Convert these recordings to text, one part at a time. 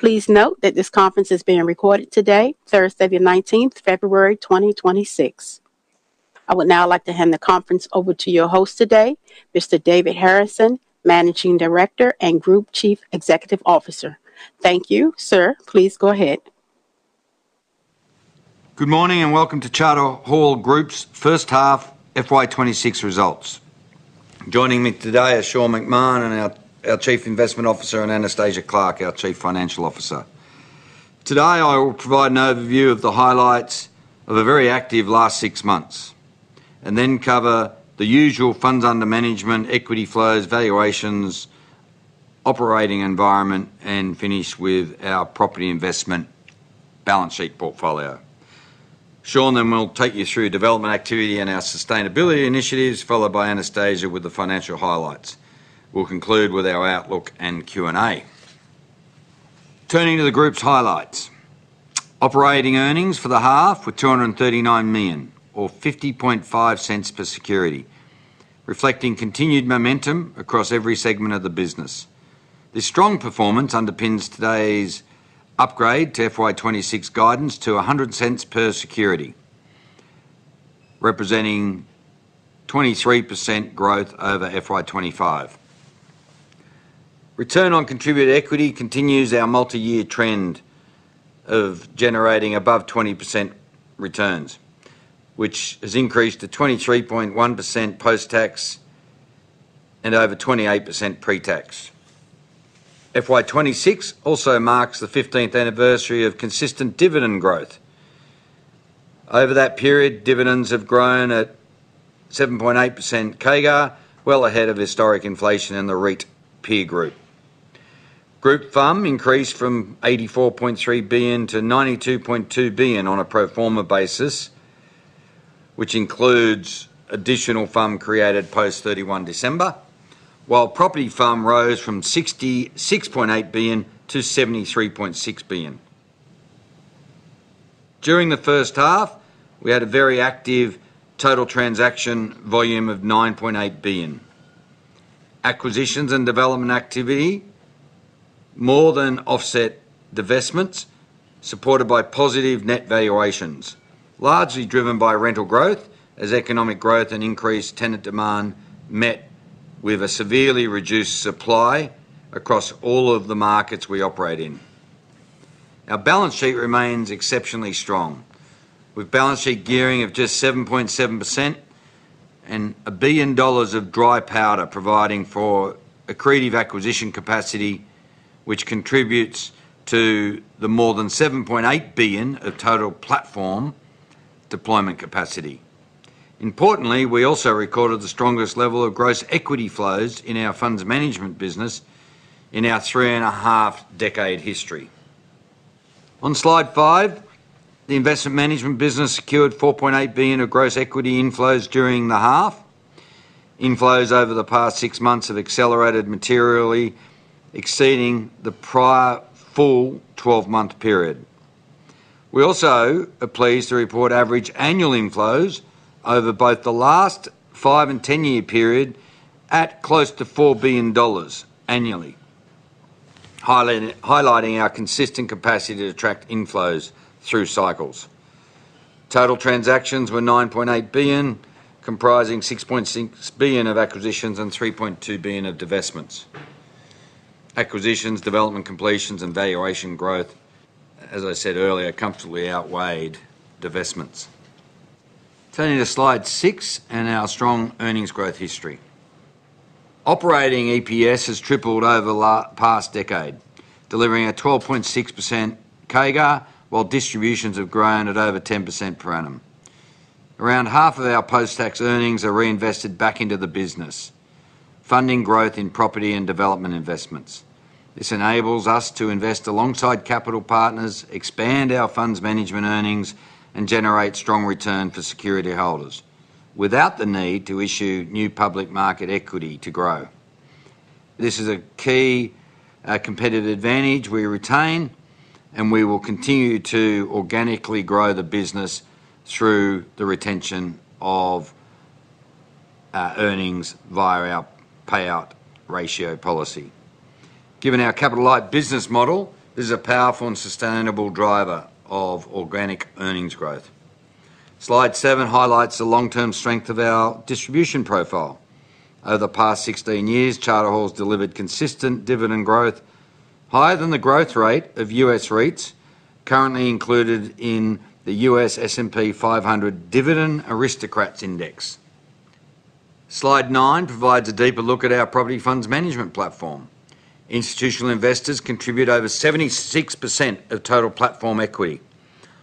Please note that this conference is being recorded today, Thursday, the 19th, February 2026. I would now like to hand the conference over to your host today, Mr. David Harrison, Managing Director and Group Chief Executive Officer. Thank you, sir. Please go ahead. Good morning, and welcome to Charter Hall Group's First Half FY 2026 results. Joining me today is Sean McMahon and our Chief Investment Officer, and Anastasia Clarke, our Chief Financial Officer. Today, I will provide an overview of the highlights of a very active last six months, and then cover the usual funds under management, equity flows, valuations, operating environment, and finish with our property investment balance sheet portfolio. Sean then will take you through development activity and our sustainability initiatives, followed by Anastasia with the financial highlights. We'll conclude with our outlook and Q&A. Turning to the group's highlights. Operating earnings for the half were 239 million, or 0.505 per security, reflecting continued momentum across every segment of the business. This strong performance underpins today's upgrade to FY 2026 guidance to 100 cents per security, representing 23% growth over FY 2025. Return on contributed equity continues our multi-year trend of generating above 20% returns, which has increased to 23.1% post-tax and over 28% pre-tax. FY 2026 also marks the 15th anniversary of consistent dividend growth. Over that period, dividends have grown at 7.8% CAGR, well ahead of historic inflation in the REIT peer group. Group FUM increased from 84.3 billion to 92.2 billion on a pro forma basis, which includes additional FUM created post 31 December, while property FUM rose from 66.8 billion to 73.6 billion. During the first half, we had a very active total transaction volume of 9.8 billion. Acquisitions and development activity more than offset divestments, supported by positive net valuations, largely driven by rental growth as economic growth and increased tenant demand met with a severely reduced supply across all of the markets we operate in. Our balance sheet remains exceptionally strong, with balance sheet gearing of just 7.7% and 1 billion dollars of dry powder, providing for accretive acquisition capacity, which contributes to the more than 7.8 billion of total platform deployment capacity. Importantly, we also recorded the strongest level of gross equity flows in our funds management business in our three-and-a-half decade history. On slide five, the investment management business secured 4.8 billion of gross equity inflows during the half. Inflows over the past six months have accelerated materially, exceeding the prior full 12-month period. We also are pleased to report average annual inflows over both the last five and ten-year period at close to 4 billion dollars annually, highlighting our consistent capacity to attract inflows through cycles. Total transactions were 9.8 billion, comprising 6.6 billion of acquisitions and 3.2 billion of divestments. Acquisitions, development completions, and valuation growth, as I said earlier, comfortably outweighed divestments. Turning to slide six and our strong earnings growth history. Operating EPS has tripled over the past decade, delivering a 12.6% CAGR, while distributions have grown at over 10% per annum. Around half of our post-tax earnings are reinvested back into the business, funding growth in property and development investments. This enables us to invest alongside capital partners, expand our funds management earnings, and generate strong return for security holders without the need to issue new public market equity to grow. This is a key, competitive advantage we retain, and we will continue to organically grow the business through the retention of our earnings via our payout ratio policy. Given our capital-light business model, this is a powerful and sustainable driver of organic earnings growth. Slide seven highlights the long-term strength of our distribution profile. Over the past 16 years, Charter Hall's delivered consistent dividend growth higher than the growth rate of U.S. REITs, currently included in the U.S. S&P 500 Dividend Aristocrats Index. Slide nine provides a deeper look at our property funds management platform. Institutional investors contribute over 76% of total platform equity,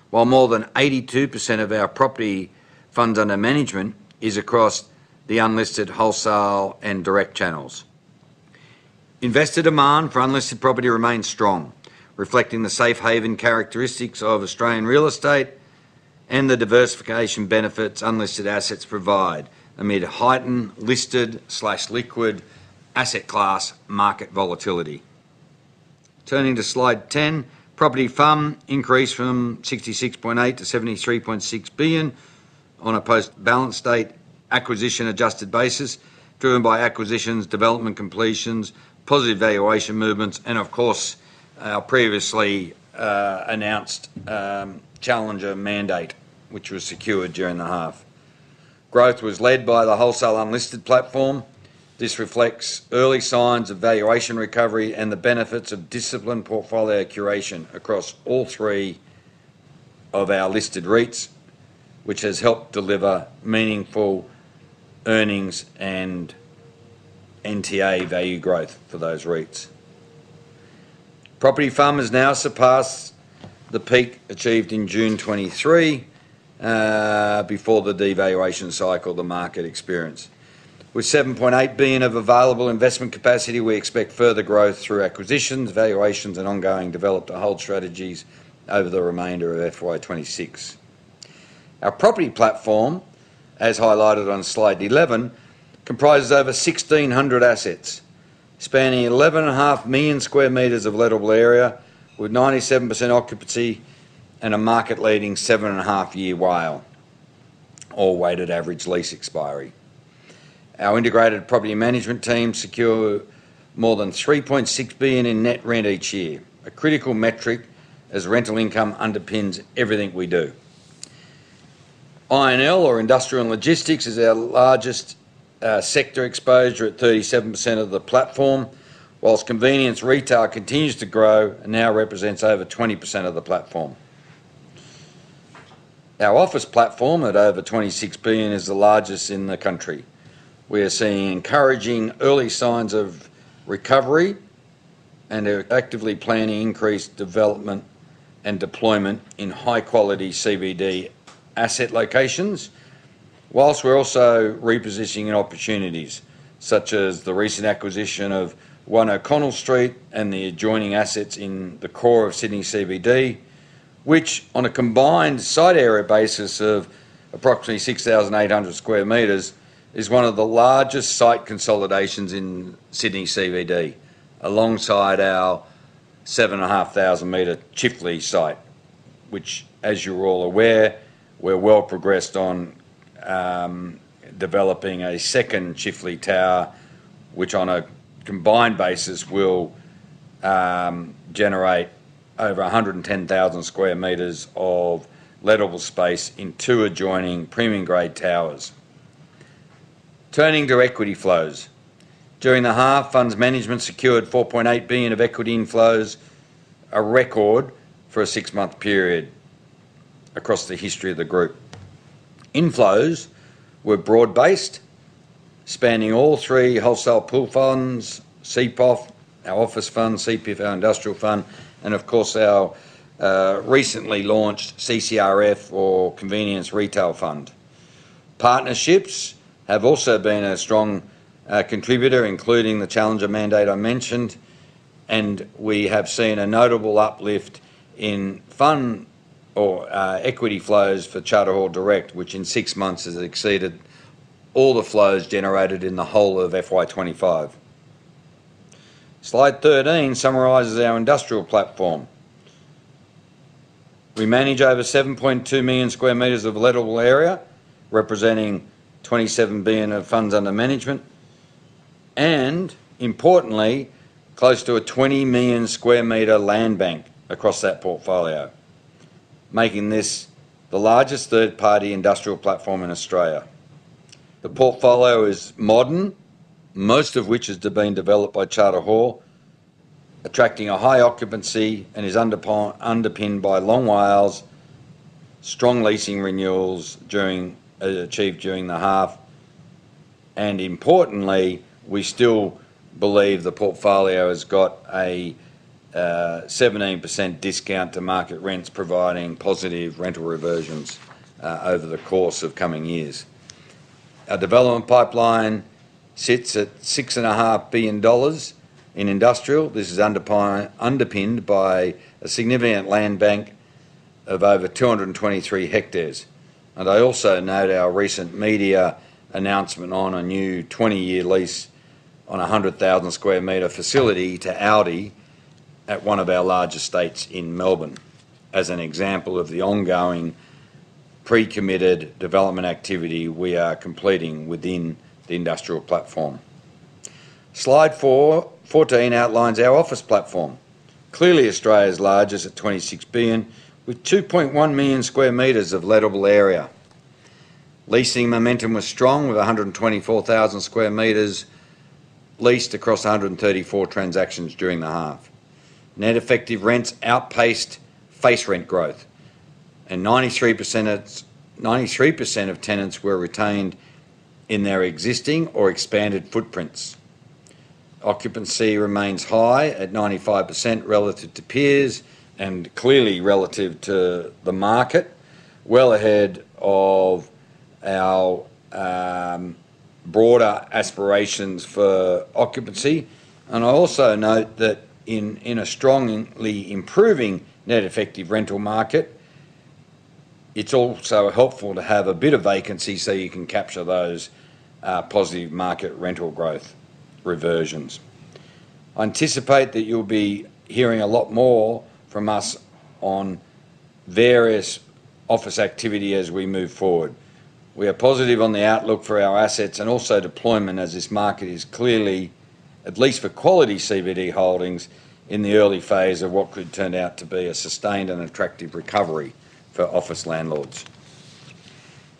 while more than 82% of our property funds under management is across the unlisted, wholesale, and direct channels. Investor demand for unlisted property remains strong, reflecting the safe haven characteristics of Australian real estate and the diversification benefits unlisted assets provide amid a heightened, listed/liquid asset class market volatility. Turning to slide 10, property FUM increased from 66.8 billion to 73.6 billion on a post balance date, acquisition-adjusted basis, driven by acquisitions, development completions, positive valuation movements, and of course, our previously announced Challenger mandate, which was secured during the half. Growth was led by the wholesale unlisted platform. This reflects early signs of valuation recovery and the benefits of disciplined portfolio curation across all three of our listed REITs, which has helped deliver meaningful earnings and NTA value growth for those REITs. Property FUM has now surpassed the peak achieved in June 2023, before the devaluation cycle the market experienced. With 7.8 billion of available investment capacity, we expect further growth through acquisitions, valuations, and ongoing develop-to-hold strategies over the remainder of FY 2026. Our property platform, as highlighted on slide 11, comprises over 1,600 assets, spanning 11.5 million sq m of lettable area, with 97% occupancy and a market-leading 7.5-year WALE, or weighted average lease expiry. Our integrated property management team secure more than 3.6 billion in net rent each year, a critical metric as rental income underpins everything we do. I&L, or Industrial and Logistics, is our largest sector exposure at 37% of the platform, while convenience retail continues to grow and now represents over 20% of the platform. Our office platform, at over 26 billion, is the largest in the country. We are seeing encouraging early signs of recovery and are actively planning increased development and deployment in high-quality CBD asset locations, while we're also repositioning in opportunities, such as the recent acquisition of One O'Connell Street and the adjoining assets in the core of Sydney CBD, which, on a combined site area basis of approximately 6,800 square meters, is one of the largest site consolidations in Sydney CBD, alongside our 7,500-meter Chifley site, which, as you're all aware, we're well progressed on, developing a second Chifley tower, which, on a combined basis, will generate over 110,000 square meters of lettable space in two adjoining premium-grade towers. Turning to equity flows. During the half, funds management secured 4.8 billion of equity inflows, a record for a six-month period across the history of the group. Inflows were broad-based, spanning all three wholesale pool funds, CPOF, our office fund, CPIF, our industrial fund, and of course, our recently launched CCRF, or Convenience Retail Fund. Partnerships have also been a strong contributor, including the Challenger mandate I mentioned, and we have seen a notable uplift in fund or equity flows for Charter Hall Direct, which in six months has exceeded all the flows generated in the whole of FY 2025. Slide 13 summarizes our industrial platform. We manage over 7.2 million sq m of lettable area, representing 27 billion of funds under management, and importantly, close to a 20 million sq m land bank across that portfolio, making this the largest third-party industrial platform in Australia. The portfolio is modern, most of which has been developed by Charter Hall, attracting a high occupancy and is underpinned by long WALEs, strong leasing renewals achieved during the half. Importantly, we still believe the portfolio has got a 17% discount to market rents, providing positive rental reversions over the course of coming years. Our development pipeline sits at 6.5 billion dollars in industrial. This is underpinned by a significant land bank of over 223 hectares. I also note our recent media announcement on a new 20-year lease on a 100,000 square meter facility to Aldi at one of our largest sites in Melbourne, as an example of the ongoing pre-committed development activity we are completing within the industrial platform. Slide 4-14 outlines our office platform, clearly Australia's largest at 26 billion, with 2.1 million square meters of lettable area. Leasing momentum was strong, with 124,000 sq m leased across 134 transactions during the half. Net effective rents outpaced face rent growth, and 93% of, 93% of tenants were retained in their existing or expanded footprints. Occupancy remains high at 95% relative to peers and clearly relative to the market, well ahead of our, broader aspirations for occupancy. And I also note that in, in a strongly improving net effective rental market, it's also helpful to have a bit of vacancy so you can capture those, positive market rental growth reversions.... I anticipate that you'll be hearing a lot more from us on various office activity as we move forward. We are positive on the outlook for our assets and also deployment, as this market is clearly, at least for quality CBD holdings, in the early phase of what could turn out to be a sustained and attractive recovery for office landlords.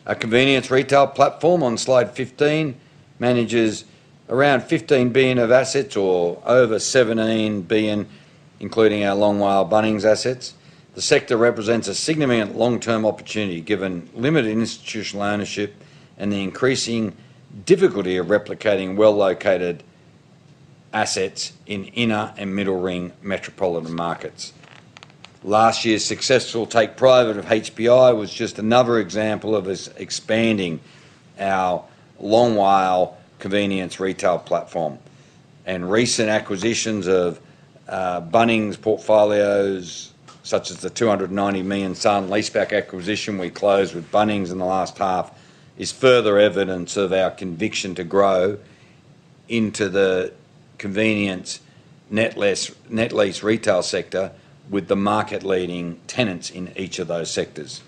Our convenience retail platform, on slide 15, manages around 15 billion of assets or over 17 billion, including our Long WALE Bunnings assets. The sector represents a significant long-term opportunity, given limited institutional ownership and the increasing difficulty of replicating well-located assets in inner and middle-ring metropolitan markets. Last year's successful take private of HPI was just another example of us expanding our long WALE convenience retail platform, and recent acquisitions of Bunnings portfolios, such as the 290 million sale and leaseback acquisition we closed with Bunnings in the last half, is further evidence of our conviction to grow into the convenience net lease retail sector with the market-leading tenants in each of those sectors.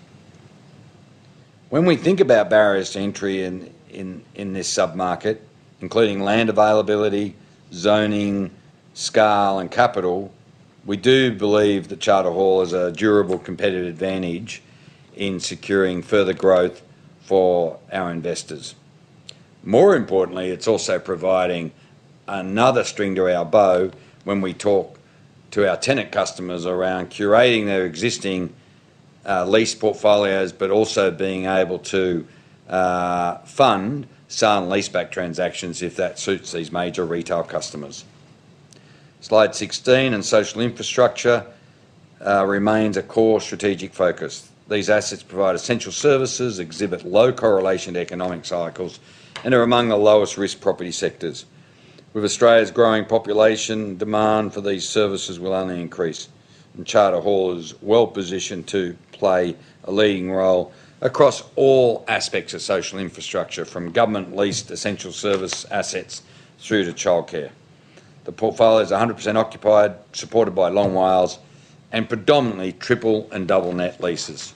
When we think about barriers to entry in this sub-market, including land availability, zoning, scale, and capital, we do believe that Charter Hall is a durable competitive advantage in securing further growth for our investors. More importantly, it's also providing another string to our bow when we talk to our tenant customers around curating their existing lease portfolios, but also being able to fund sale and leaseback transactions if that suits these major retail customers. Slide 16, and social infrastructure remains a core strategic focus. These assets provide essential services, exhibit low correlation to economic cycles, and are among the lowest risk property sectors. With Australia's growing population, demand for these services will only increase, and Charter Hall is well-positioned to play a leading role across all aspects of social infrastructure, from government-leased essential service assets through to childcare. The portfolio is 100% occupied, supported by long WALEs, and predominantly triple and double net leases.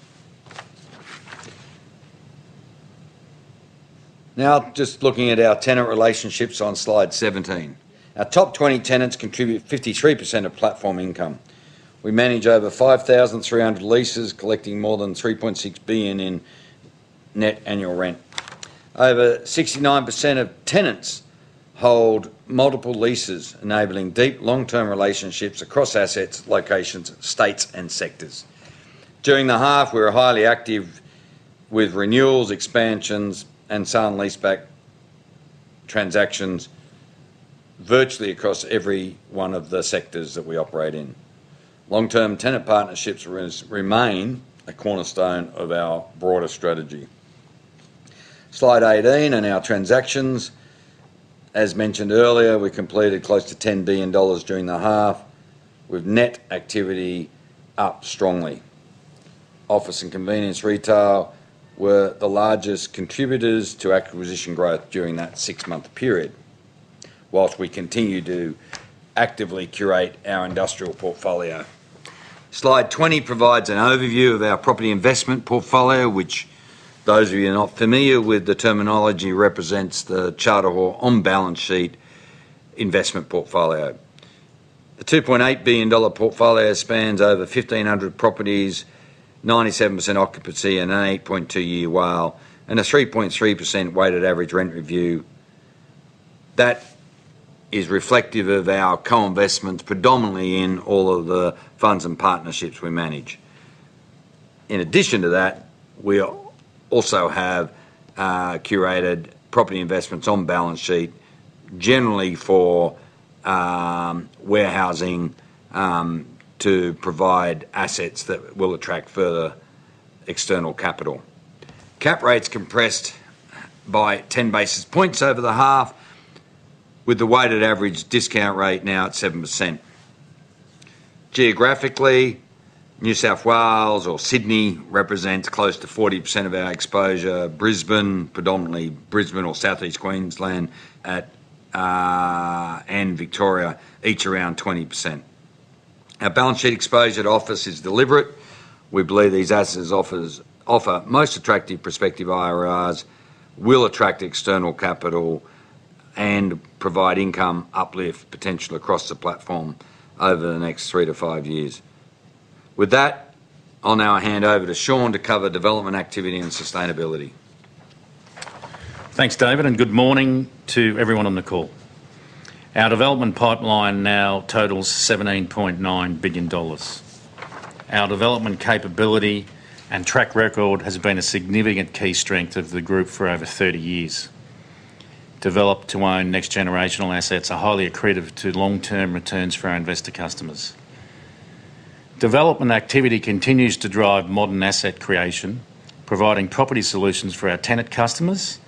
Now, just looking at our tenant relationships on slide 17. Our top 20 tenants contribute 53% of platform income. We manage over 5,300 leases, collecting more than 3.6 billion in net annual rent. Over 69% of tenants hold multiple leases, enabling deep, long-term relationships across assets, locations, states, and sectors. During the half, we were highly active with renewals, expansions, and sale and leaseback transactions virtually across every one of the sectors that we operate in. Long-term tenant partnerships remain a cornerstone of our broader strategy. Slide 18, and our transactions. As mentioned earlier, we completed close to 10 billion dollars during the half, with net activity up strongly. Office and convenience retail were the largest contributors to acquisition growth during that 6-month period, whilst we continued to actively curate our industrial portfolio. Slide 20 provides an overview of our property investment portfolio, which those of you not familiar with the terminology, represents the Charter Hall on-balance sheet investment portfolio. The 2.8 billion dollar portfolio spans over 1,500 properties, 97% occupancy, and an 8.2-year WALE, and a 3.3% weighted average rent review. That is reflective of our co-investments, predominantly in all of the funds and partnerships we manage. In addition to that, we also have curated property investments on-balance sheet, generally for warehousing to provide assets that will attract further external capital. Cap rates compressed by 10 basis points over the half, with the weighted average discount rate now at 7%. Geographically, New South Wales or Sydney represents close to 40% of our exposure. Brisbane, predominantly Brisbane or Southeast Queensland at and Victoria, each around 20%. Our balance sheet exposure to office is deliberate. We believe these assets offer most attractive prospective IRRs, will attract external capital, and provide income uplift potential across the platform over the next 3-5 years. With that, I'll now hand over to Sean to cover development activity and sustainability. Thanks, David, and good morning to everyone on the call. Our development pipeline now totals 17.9 billion dollars. Our development capability and track record has been a significant key strength of the group for over 30 years. Develop to own next-generational assets are highly accretive to long-term returns for our investor customers. Development activity continues to drive modern asset creation, providing property solutions for our tenant customers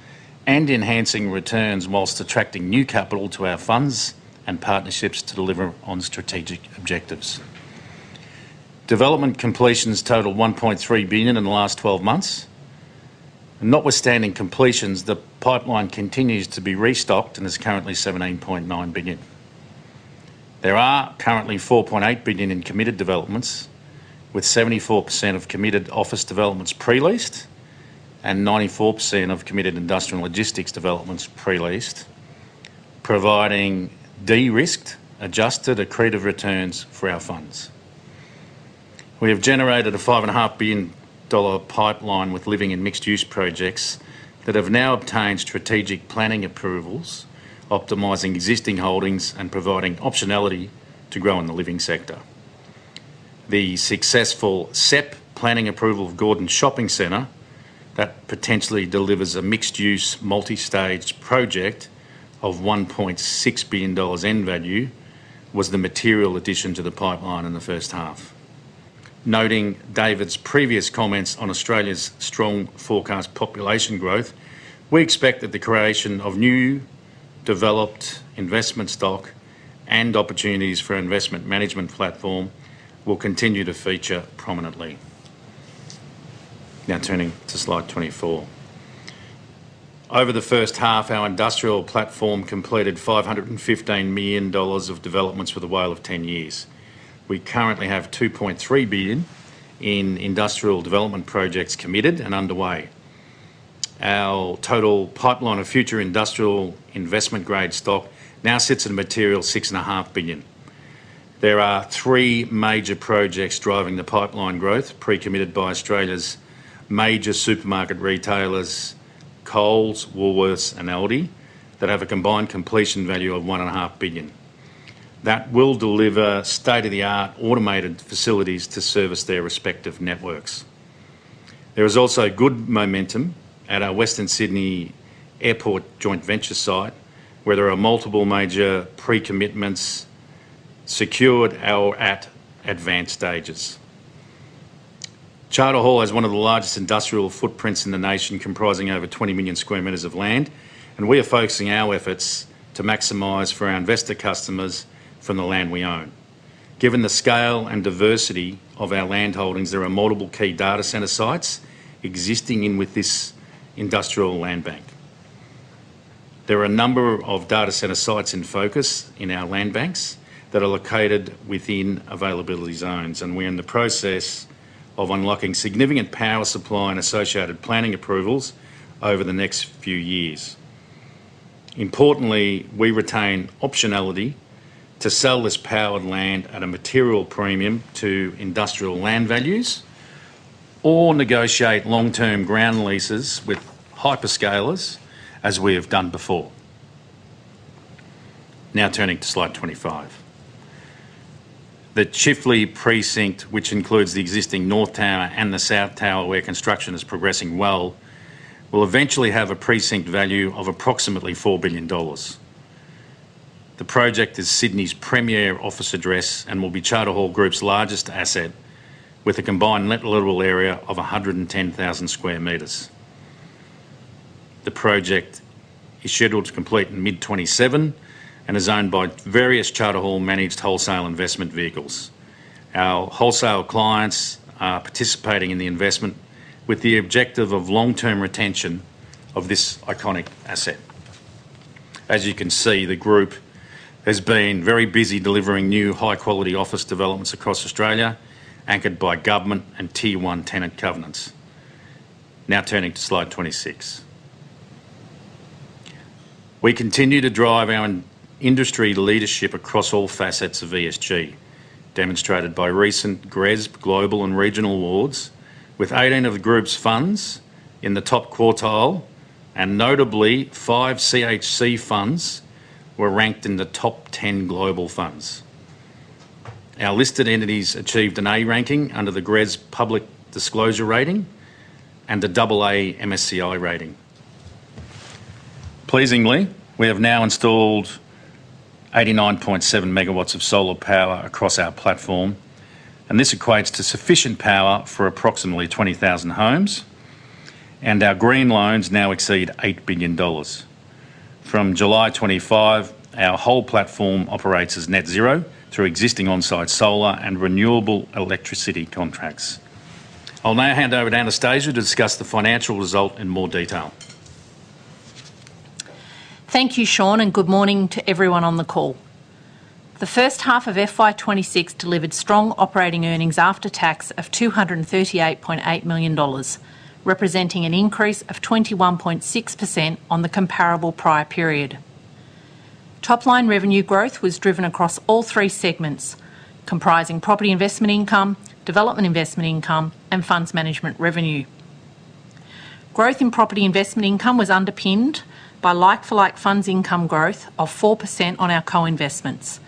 and enhancing returns whilst attracting new capital to our funds and partnerships to deliver on strategic objectives.... Development completions totaled 1.3 billion in the last 12 months. And notwithstanding completions, the pipeline continues to be restocked and is currently 17.9 billion. There are currently 4.8 billion in committed developments, with 74% of committed office developments pre-leased and 94% of committed industrial logistics developments pre-leased, providing de-risked, adjusted accretive returns for our funds. We have generated an 5.5 billion dollar pipeline with living and mixed-use projects that have now obtained strategic planning approvals, optimizing existing holdings and providing optionality to grow in the living sector. The successful SEPP planning approval of Gordon Shopping Centre, that potentially delivers a mixed-use, multi-stage project of 1.6 billion dollars end value, was the material addition to the pipeline in the first half. Noting David's previous comments on Australia's strong forecast population growth, we expect that the creation of new developed investment stock and opportunities for investment management platform will continue to feature prominently. Now turning to slide 24. Over the first half, our industrial platform completed 515 million dollars of developments for a WALE of 10 years. We currently have 2.3 billion in industrial development projects committed and underway. Our total pipeline of future industrial investment-grade stock now sits at a material 6.5 billion. There are three major projects driving the pipeline growth, pre-committed by Australia's major supermarket retailers, Coles, Woolworths, and ALDI, that have a combined completion value of 1.5 billion. That will deliver state-of-the-art automated facilities to service their respective networks. There is also good momentum at our Western Sydney Airport joint venture site, where there are multiple major pre-commitments secured or at advanced stages. Charter Hall has one of the largest industrial footprints in the nation, comprising over 20 million square meters of land, and we are focusing our efforts to maximize for our investor customers from the land we own. Given the scale and diversity of our land holdings, there are multiple key data center sites existing within this industrial land bank. There are a number of data center sites in focus in our land banks that are located within availability zones, and we're in the process of unlocking significant power supply and associated planning approvals over the next few years. Importantly, we retain optionality to sell this powered land at a material premium to industrial land values or negotiate long-term ground leases with hyperscalers, as we have done before. Now turning to slide 25. The Chifley Precinct, which includes the existing North Tower and the South Tower, where construction is progressing well, will eventually have a precinct value of approximately 4 billion dollars. The project is Sydney's premier office address and will be Charter Hall Group's largest asset, with a combined lettable area of 110,000 square meters. The project is scheduled to complete in mid-2027 and is owned by various Charter Hall-managed wholesale investment vehicles. Our wholesale clients are participating in the investment with the objective of long-term retention of this iconic asset. As you can see, the group has been very busy delivering new, high-quality office developments across Australia, anchored by government and Tier One tenant covenants. Now turning to slide 26. We continue to drive our industry leadership across all facets of ESG, demonstrated by recent GRESB Global and Regional Awards, with 18 of the Group's funds in the top quartile, and notably, five CHC funds were ranked in the top 10 global funds. Our listed entities achieved an A ranking under the GRESB public disclosure rating and a double A MSCI rating. Pleasingly, we have now installed 89.7 megawatts of solar power across our platform, and this equates to sufficient power for approximately 20,000 homes, and our green loans now exceed 8 billion dollars. From July 2025, our whole platform operates as net zero through existing on-site solar and renewable electricity contracts. I'll now hand over to Anastasia to discuss the financial result in more detail. Thank you, Sean, and good morning to everyone on the call. The first half of FY 2026 delivered strong operating earnings after tax of AUD 238.8 million, representing an increase of 21.6% on the comparable prior period. Top-line revenue growth was driven across all three segments, comprising property investment income, development investment income, and funds management revenue. Growth in property investment income was underpinned by like-for-like funds income growth of 4% on our co-investments,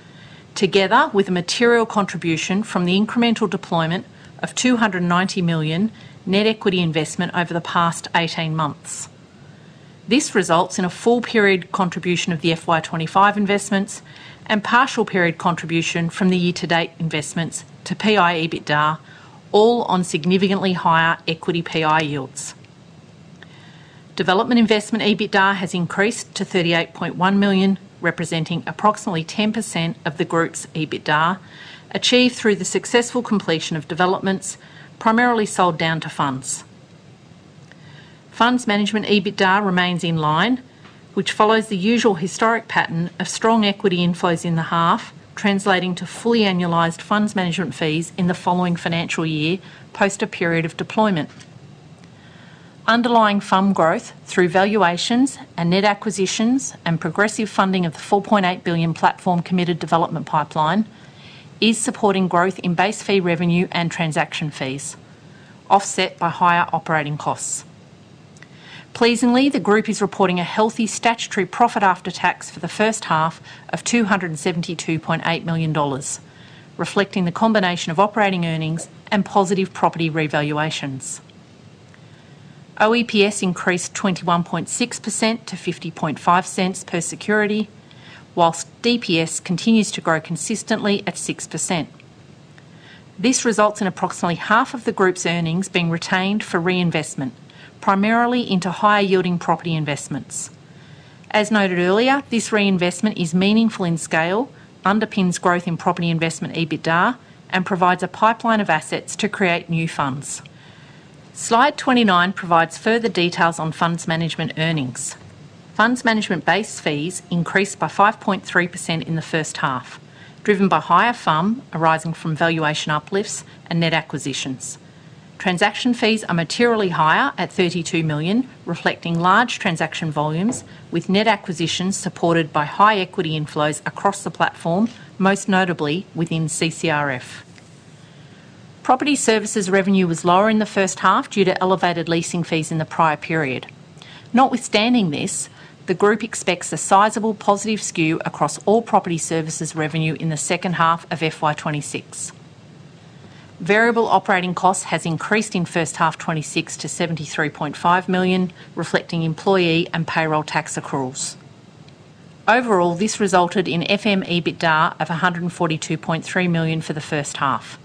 together with a material contribution from the incremental deployment of 290 million net equity investment over the past 18 months. This results in a full-period contribution of the FY 2025 investments and partial period contribution from the year-to-date investments to PI EBITDA, all on significantly higher equity PI yields.... Development investment EBITDA has increased to 38.1 million, representing approximately 10% of the group's EBITDA, achieved through the successful completion of developments primarily sold down to funds. Funds management EBITDA remains in line, which follows the usual historic pattern of strong equity inflows in the half, translating to fully annualized funds management fees in the following financial year, post a period of deployment. Underlying FUM growth through valuations and net acquisitions and progressive funding of the 4.8 billion platform committed development pipeline is supporting growth in base fee revenue and transaction fees, offset by higher operating costs. Pleasingly, the group is reporting a healthy statutory profit after tax for the first half of 272.8 million dollars, reflecting the combination of operating earnings and positive property revaluations. OEPS increased 21.6% to 50.5 cents per security, whilst DPS continues to grow consistently at 6%. This results in approximately half of the group's earnings being retained for reinvestment, primarily into higher-yielding property investments. As noted earlier, this reinvestment is meaningful in scale, underpins growth in property investment EBITDA, and provides a pipeline of assets to create new funds. Slide 29 provides further details on funds management earnings. Funds management base fees increased by 5.3% in the first half, driven by higher FUM arising from valuation uplifts and net acquisitions. Transaction fees are materially higher at AUD 32 million, reflecting large transaction volumes, with net acquisitions supported by high equity inflows across the platform, most notably within CCRF. Property services revenue was lower in the first half due to elevated leasing fees in the prior period. Notwithstanding this, the group expects a sizable positive skew across all property services revenue in the second half of FY 2026. Variable operating costs has increased in first half 2026 to 73.5 million, reflecting employee and payroll tax accruals. Overall, this resulted in FM EBITDA of 142.3 million for the first half.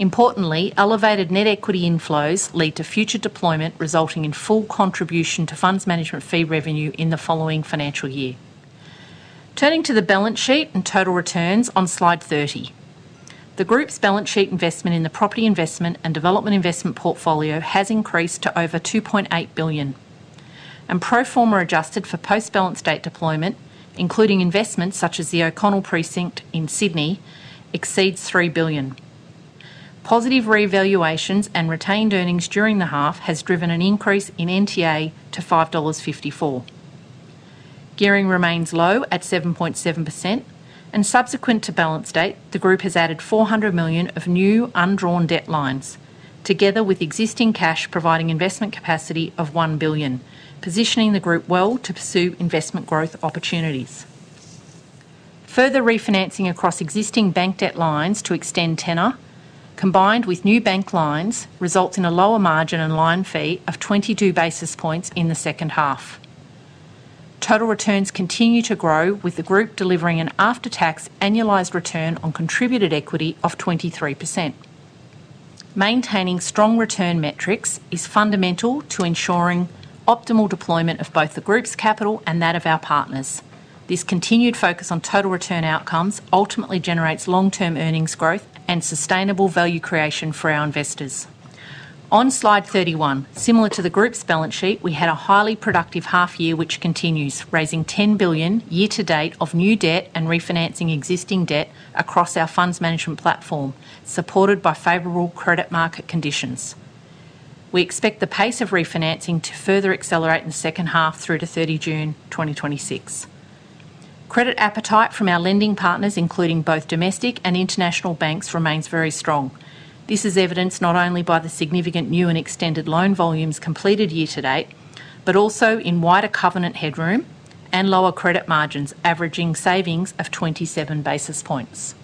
Importantly, elevated net equity inflows lead to future deployment, resulting in full contribution to funds management fee revenue in the following financial year. Turning to the balance sheet and total returns on slide 30. The group's balance sheet investment in the property investment and development investment portfolio has increased to over 2.8 billion. Pro forma adjusted for post-balance date deployment, including investments such as the O'Connell Precinct in Sydney, exceeds 3 billion. Positive revaluations and retained earnings during the half has driven an increase in NTA to 5.54 dollars. Gearing remains low at 7.7%, and subsequent to balance date, the group has added 400 million of new undrawn debt lines, together with existing cash, providing investment capacity of 1 billion, positioning the group well to pursue investment growth opportunities. Further refinancing across existing bank debt lines to extend tenor, combined with new bank lines, results in a lower margin and line fee of 22 basis points in the second half. Total returns continue to grow, with the group delivering an after-tax annualized return on contributed equity of 23%. Maintaining strong return metrics is fundamental to ensuring optimal deployment of both the group's capital and that of our partners. This continued focus on total return outcomes ultimately generates long-term earnings growth and sustainable value creation for our investors. On slide 31, similar to the group's balance sheet, we had a highly productive half year, which continues, raising 10 billion year to date of new debt and refinancing existing debt across our funds management platform, supported by favorable credit market conditions. We expect the pace of refinancing to further accelerate in the second half through to 30 June 2026. Credit appetite from our lending partners, including both domestic and international banks, remains very strong. This is evidenced not only by the significant new and extended loan volumes completed year to date, but also in wider covenant headroom and lower credit margins, averaging savings of 27 basis points.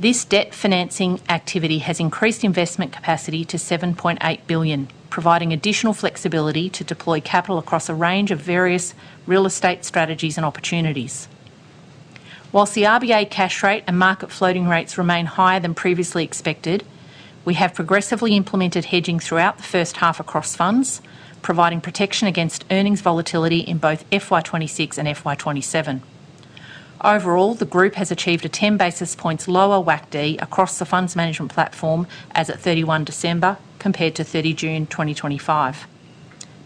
This debt financing activity has increased investment capacity to 7.8 billion, providing additional flexibility to deploy capital across a range of various real estate strategies and opportunities. While the RBA cash rate and market floating rates remain higher than previously expected, we have progressively implemented hedging throughout the first half across funds, providing protection against earnings volatility in both FY 2026 and FY 2027. Overall, the group has achieved a ten basis points lower WACD across the funds management platform as at 31 December, compared to 30 June 2025.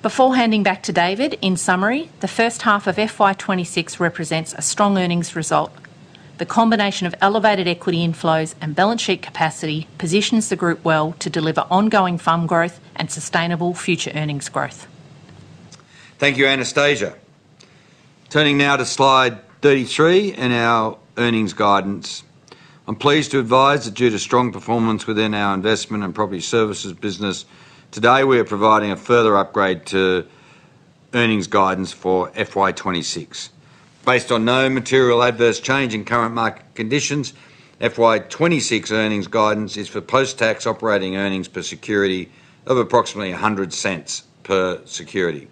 Before handing back to David, in summary, the first half of FY 2026 represents a strong earnings result. The combination of elevated equity inflows and balance sheet capacity positions the group well to deliver ongoing FUM growth and sustainable future earnings growth. Thank you, Anastasia. Turning now to slide 33 and our earnings guidance. I'm pleased to advise that due to strong performance within our investment and property services business, today we are providing a further upgrade to earnings guidance for FY 2026. Based on no material adverse change in current market conditions, FY 2026 earnings guidance is for post-tax operating earnings per security of approximately 1.00 per security...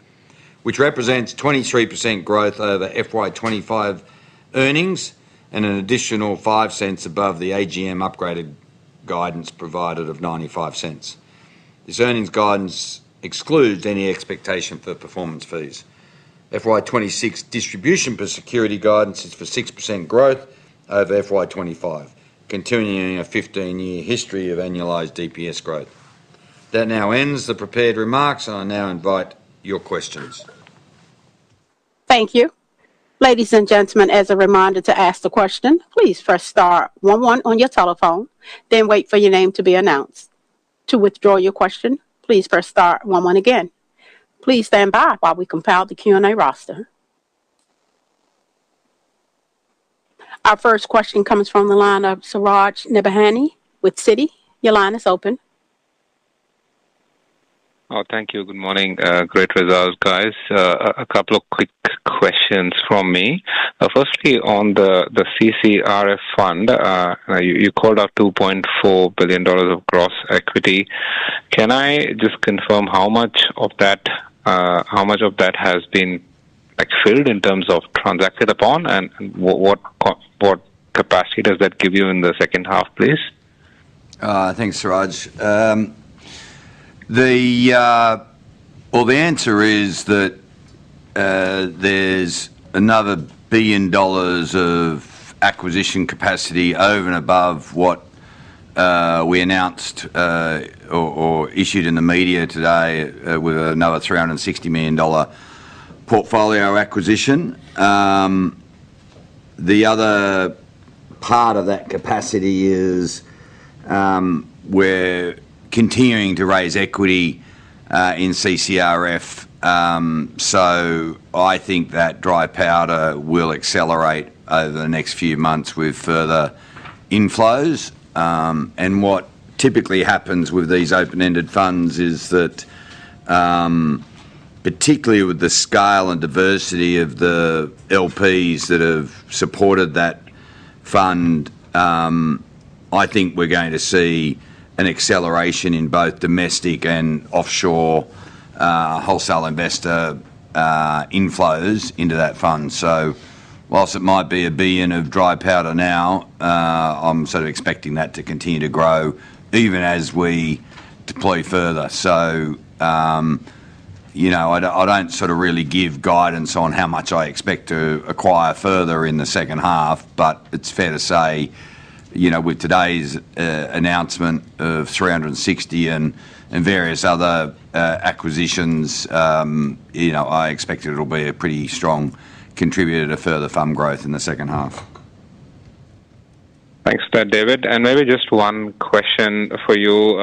which represents 23% growth over FY 2025 earnings, and an additional 0.05 above the AGM upgraded guidance provided of 0.95. This earnings guidance excludes any expectation for performance fees. FY 2026 distribution per security guidance is for 6% growth over FY 2025, continuing a 15-year history of annualized DPS growth. That now ends the prepared remarks, and I now invite your questions. Thank you. Ladies and gentlemen, as a reminder to ask the question, please press star one one on your telephone, then wait for your name to be announced. To withdraw your question, please press star one one again. Please stand by while we compile the Q&A roster. Our first question comes from the line of Suraj Nebhani with Citi. Your line is open. Oh, thank you. Good morning. Great result, guys. A couple of quick questions from me. Firstly, on the CCRF fund, you called out 2.4 billion dollars of gross equity. Can I just confirm how much of that has been, like, filled in terms of transacted upon, and what capacity does that give you in the second half, please? Thanks, Suraj. Well, the answer is that, there's another 1 billion dollars of acquisition capacity over and above what we announced, or, or issued in the media today, with another 360 million dollar portfolio acquisition. The other part of that capacity is, we're continuing to raise equity, in CCRF. So I think that dry powder will accelerate over the next few months with further inflows. And what typically happens with these open-ended funds is that, particularly with the scale and diversity of the LPs that have supported that fund, I think we're going to see an acceleration in both domestic and offshore, wholesale investor, inflows into that fund. So while it might be 1 billion of dry powder now, I'm sort of expecting that to continue to grow even as we deploy further. So, you know, I don't, I don't sort of really give guidance on how much I expect to acquire further in the second half, but it's fair to say, you know, with today's announcement of 360 and various other acquisitions I expect it'll be a pretty strong contributor to further fund growth in the second half. Thanks for that, David. Maybe just one question for you,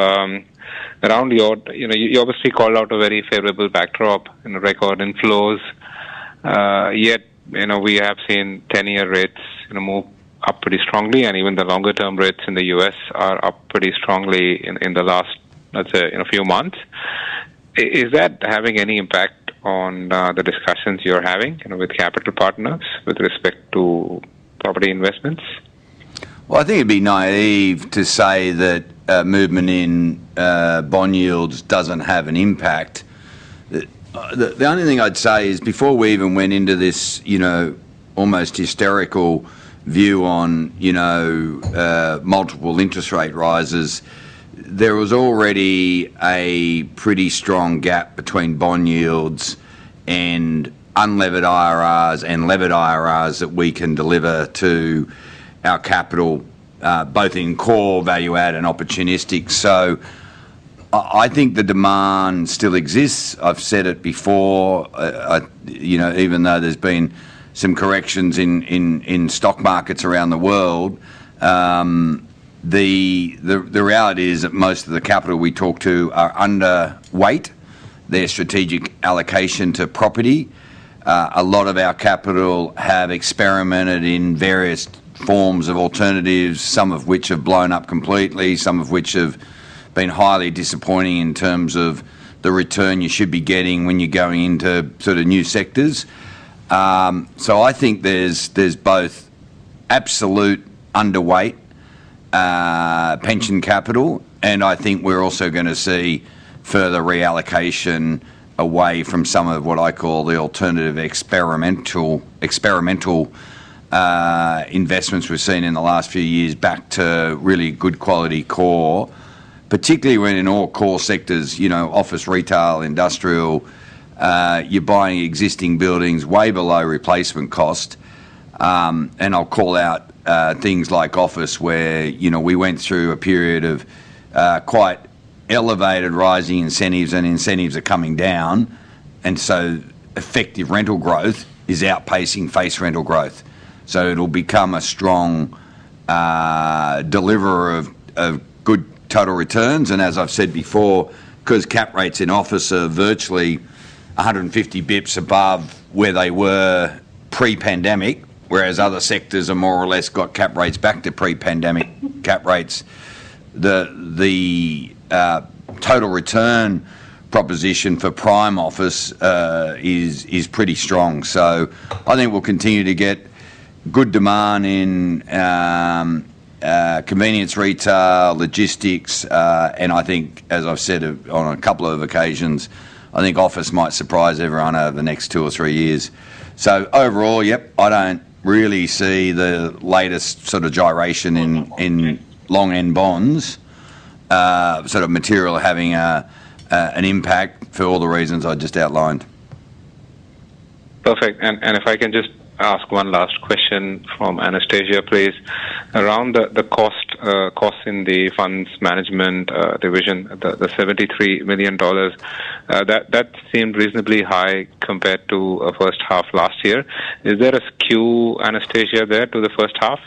obviously called out a very favorable backdrop in the record inflows, yet we have seen 10-year rates, you know, move up pretty strongly, and even the longer-term rates in the U.S. are up pretty strongly in the last, let's say, in a few months. Is that having any impact on the discussions you're having, you know, with capital partners with respect to property investments? Well, I think it'd be naive to say that movement in bond yields doesn't have an impact. The only thing I'd say is, before we even went into this, you know, almost hysterical view on, you know, multiple interest rate rises, there was already a pretty strong gap between bond yields and unlevered IRRs and levered IRRs that we can deliver to our capital, both in core, value-add, and opportunistic. So I think the demand still exists. I've said it before, you know, even though there's been some corrections in stock markets around the world, the reality is that most of the capital we talk to are under weight, their strategic allocation to property. A lot of our capital have experimented in various forms of alternatives, some of which have blown up completely, some of which have been highly disappointing in terms of the return you should be getting when you're going into sort of new sectors. So I think there's, there's both absolute underweight, pension capital, and I think we're also gonna see further reallocation away from some of what I call the alternative experimental, investments we've seen in the last few years back to really good quality core. Particularly when in all core sectors office, retail, industrial, you're buying existing buildings way below replacement cost. And I'll call out, things like office, where, you know, we went through a period of, quite elevated rising incentives, and incentives are coming down, and so effective rental growth is outpacing face rental growth. So it'll become a strong, deliverer of good total returns. And as I've said before, 'cause cap rates in office are virtually 150 basis points above where they were pre-pandemic, whereas other sectors are more or less got cap rates back to pre-pandemic cap rates the total return proposition for prime office, is, is pretty strong. So I think we'll continue to get good demand in convenience retail, logistics, and I think, as I've said on a couple of occasions, I think office might surprise everyone over the next two or three years. So overall I don't really see the latest sort of gyration in long-end bonds, material having an impact for all the reasons I just outlined. Perfect. And if I can just ask one last question from Anastasia, please. Around the costs in the funds management division, the 73 million dollars that seemed reasonably high compared to first half last year. Is there a skew, Anastasia, there to the first half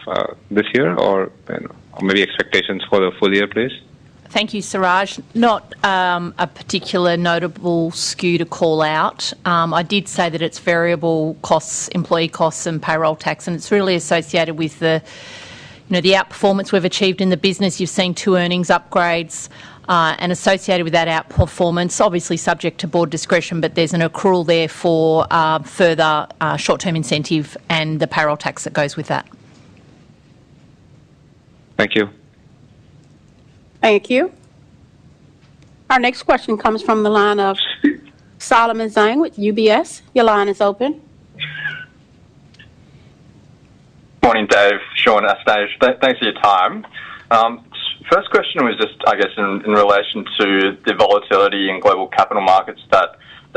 this year, or maybe expectations for the full year, please? Thank you, Suraj. Not a particular notable skew to call out. I did say that it's variable costs, employee costs, and payroll tax, and it's really associated with the, you know, the outperformance we've achieved in the business. You've seen two earnings upgrades, and associated with that outperformance, obviously subject to board discretion, but there's an accrual there for further short-term incentive and the payroll tax that goes with that. Thank you. Thank you. Our next question comes from the line of Solomon Zhang with UBS. Your line is open. Morning, Dave, Sean, Anastasia. Thanks for your time. First question was just, I guess, in relation to the volatility in global capital markets that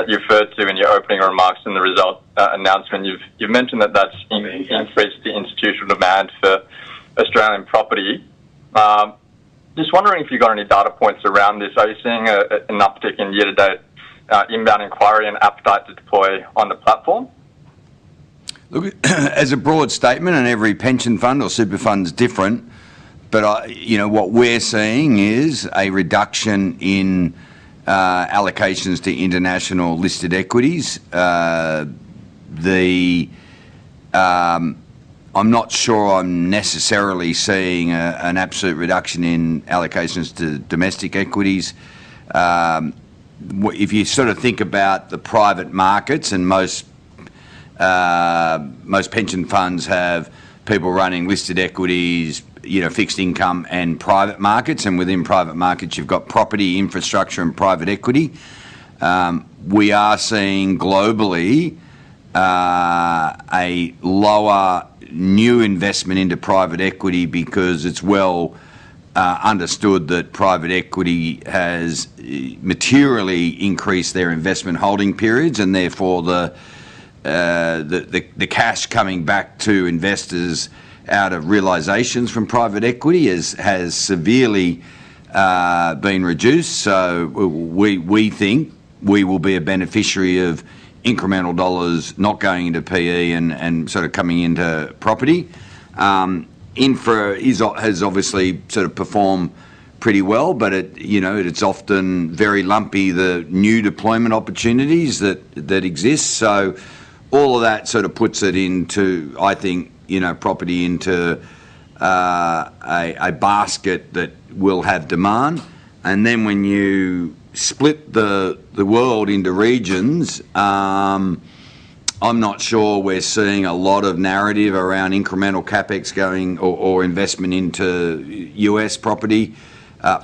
you referred to in your opening remarks and the result announcement. You've mentioned that that's increased the institutional demand for Australian property. Just wondering if you've got any data points around this. Are you seeing an uptick in year-to-date inbound inquiry and appetite to deploy on the platform? Look, as a broad statement, every pension fund or super fund is different, but you know, what we're seeing is a reduction in allocations to international listed equities. I'm not sure I'm necessarily seeing an absolute reduction in allocations to domestic equities. If you sort of think about the private markets, and most pension funds have people running listed equities, you know, fixed income, and private markets, and within private markets, you've got property, infrastructure, and private equity. We are seeing globally a lower new investment into private equity because it's well understood that private equity has materially increased their investment holding periods, and therefore, the cash coming back to investors out of realizations from private equity has severely been reduced. We think we will be a beneficiary of incremental dollars not going into PE and coming into property. Infra has obviously sort of performed pretty well, but it's often very lumpy, the new deployment opportunities that, that exist. So all of that sort of puts it into property into a basket that will have demand. And then when you split the world into regions, I'm not sure we're seeing a lot of narrative around incremental CapEx going or investment into U.S. property,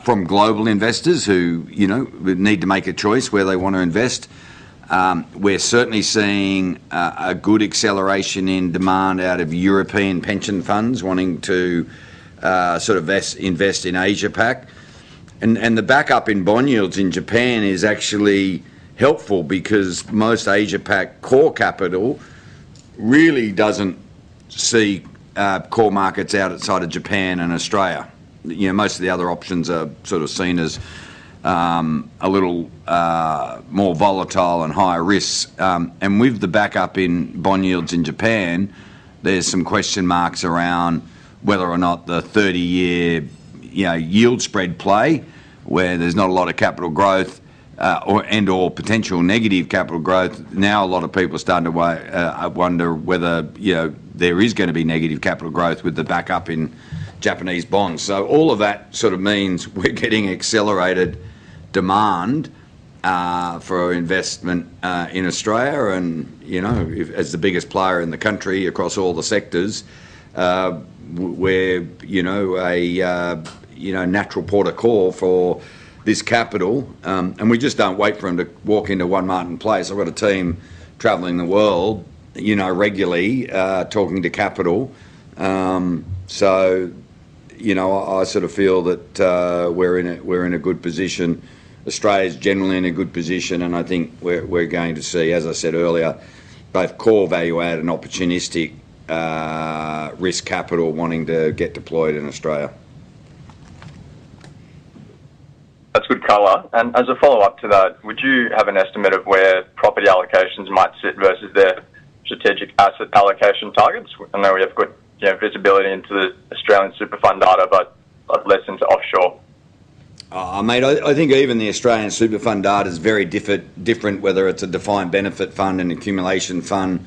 from global investors who would need to make a choice where they want to invest. We're certainly seeing a ood acceleration in demand out of European pension funds wanting to invest in Asia Pac. The backup in bond yields in Japan is actually helpful because most Asia Pac core capital really doesn't see core markets outside of Japan and Australia. You know, most of the other options are sort of seen as a little more volatile and higher risk. And with the backup in bond yields in Japan, there's some question marks around whether or not the 30-year, you know, yield spread play, where there's not a lot of capital growth or and/or potential negative capital growth. Now, a lot of people are starting to wonder whether, you know, there is gonna be negative capital growth with the backup in Japanese bonds. All of that means we're getting accelerated demand for investment in Australia, and as the biggest player in the country across all the sectors, we're a natural port of call for this capital. And we just don't wait for them to walk into One Martin Place. I've got a team traveling the world regularly talking to capital. Ifeel that we're in a good position. Australia's generally in a good position, and I think we're going to see, as I said earlier, both core value add and opportunistic risk capital wanting to get deployed in Australia. That's good color. As a follow-up to that, would you have an estimate of where property allocations might sit versus their strategic asset allocation targets? I know we have good visibility into the Australian Super fund data, but less into offshore. Mate, I think even the Australian Super fund data is very different, whether it's a defined benefit fund, an accumulation fund.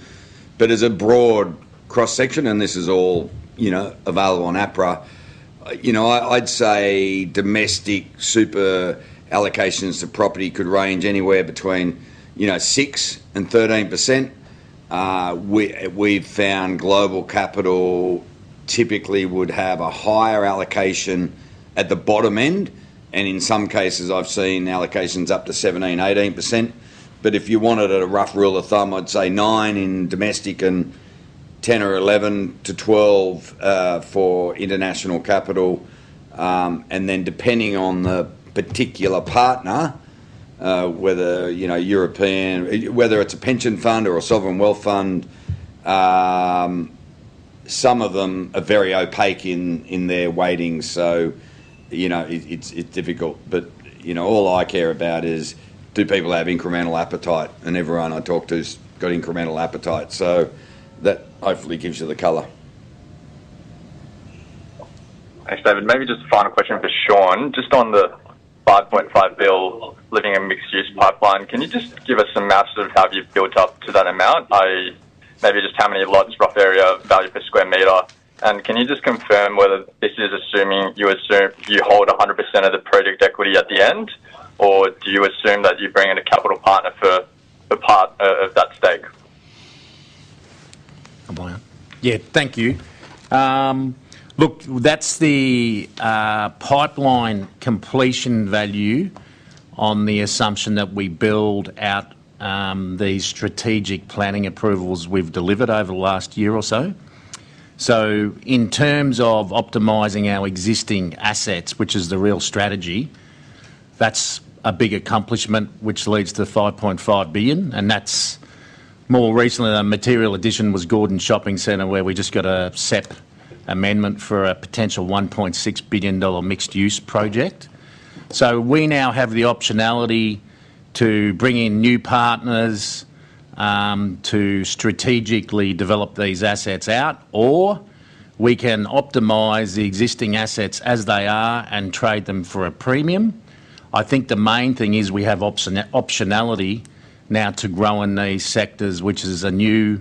But as a broad cross-section, and this is all, you know, available on APRA, you know, I'd say domestic super allocations to property could range anywhere between 6% and 13%. We've found global capital typically would have a higher allocation at the bottom end, and in some cases I've seen allocations up to 17%, 18%. But if you wanted a rough rule of thumb, I'd say 9% in domestic and 10% or 11%-12% for international capital. And then depending on the particular partner, whether it's a pension fund or a sovereign wealth fund, some of them are very opaque in their weighting. So, you know, it's difficult. But, you know, all I care about is, do people have incremental appetite? And everyone I talk to has got incremental appetite. So that hopefully gives you the color. Thanks, David. Maybe just a final question for Sean. Just on the 5.5 billion in mixed-use pipeline, can you just give us some math of how you've built up to that amount, maybe just how many lots, rough area, value per square meter? And can you just confirm whether this is assuming, you assume you hold 100% of the project equity at the end, or do you assume that you bring in a capital partner for a part of that stake? Thank you. Look, that's the pipeline completion value on the assumption that we build out the strategic planning approvals we've delivered over the last year or so. So in terms of optimizing our existing assets, which is the real strategy, that's a big accomplishment, which leads to the 5.5 billion, and that's more recently, a material addition was Gordon Shopping Center, where we just got a SEPP amendment for a potential 1.6 billion dollar mixed-use project. So we now have the optionality to bring in new partners, to strategically develop these assets out, or we can optimize the existing assets as they are and trade them for a premium. I think the main thing is we have optionality now to grow in these sectors, which is a new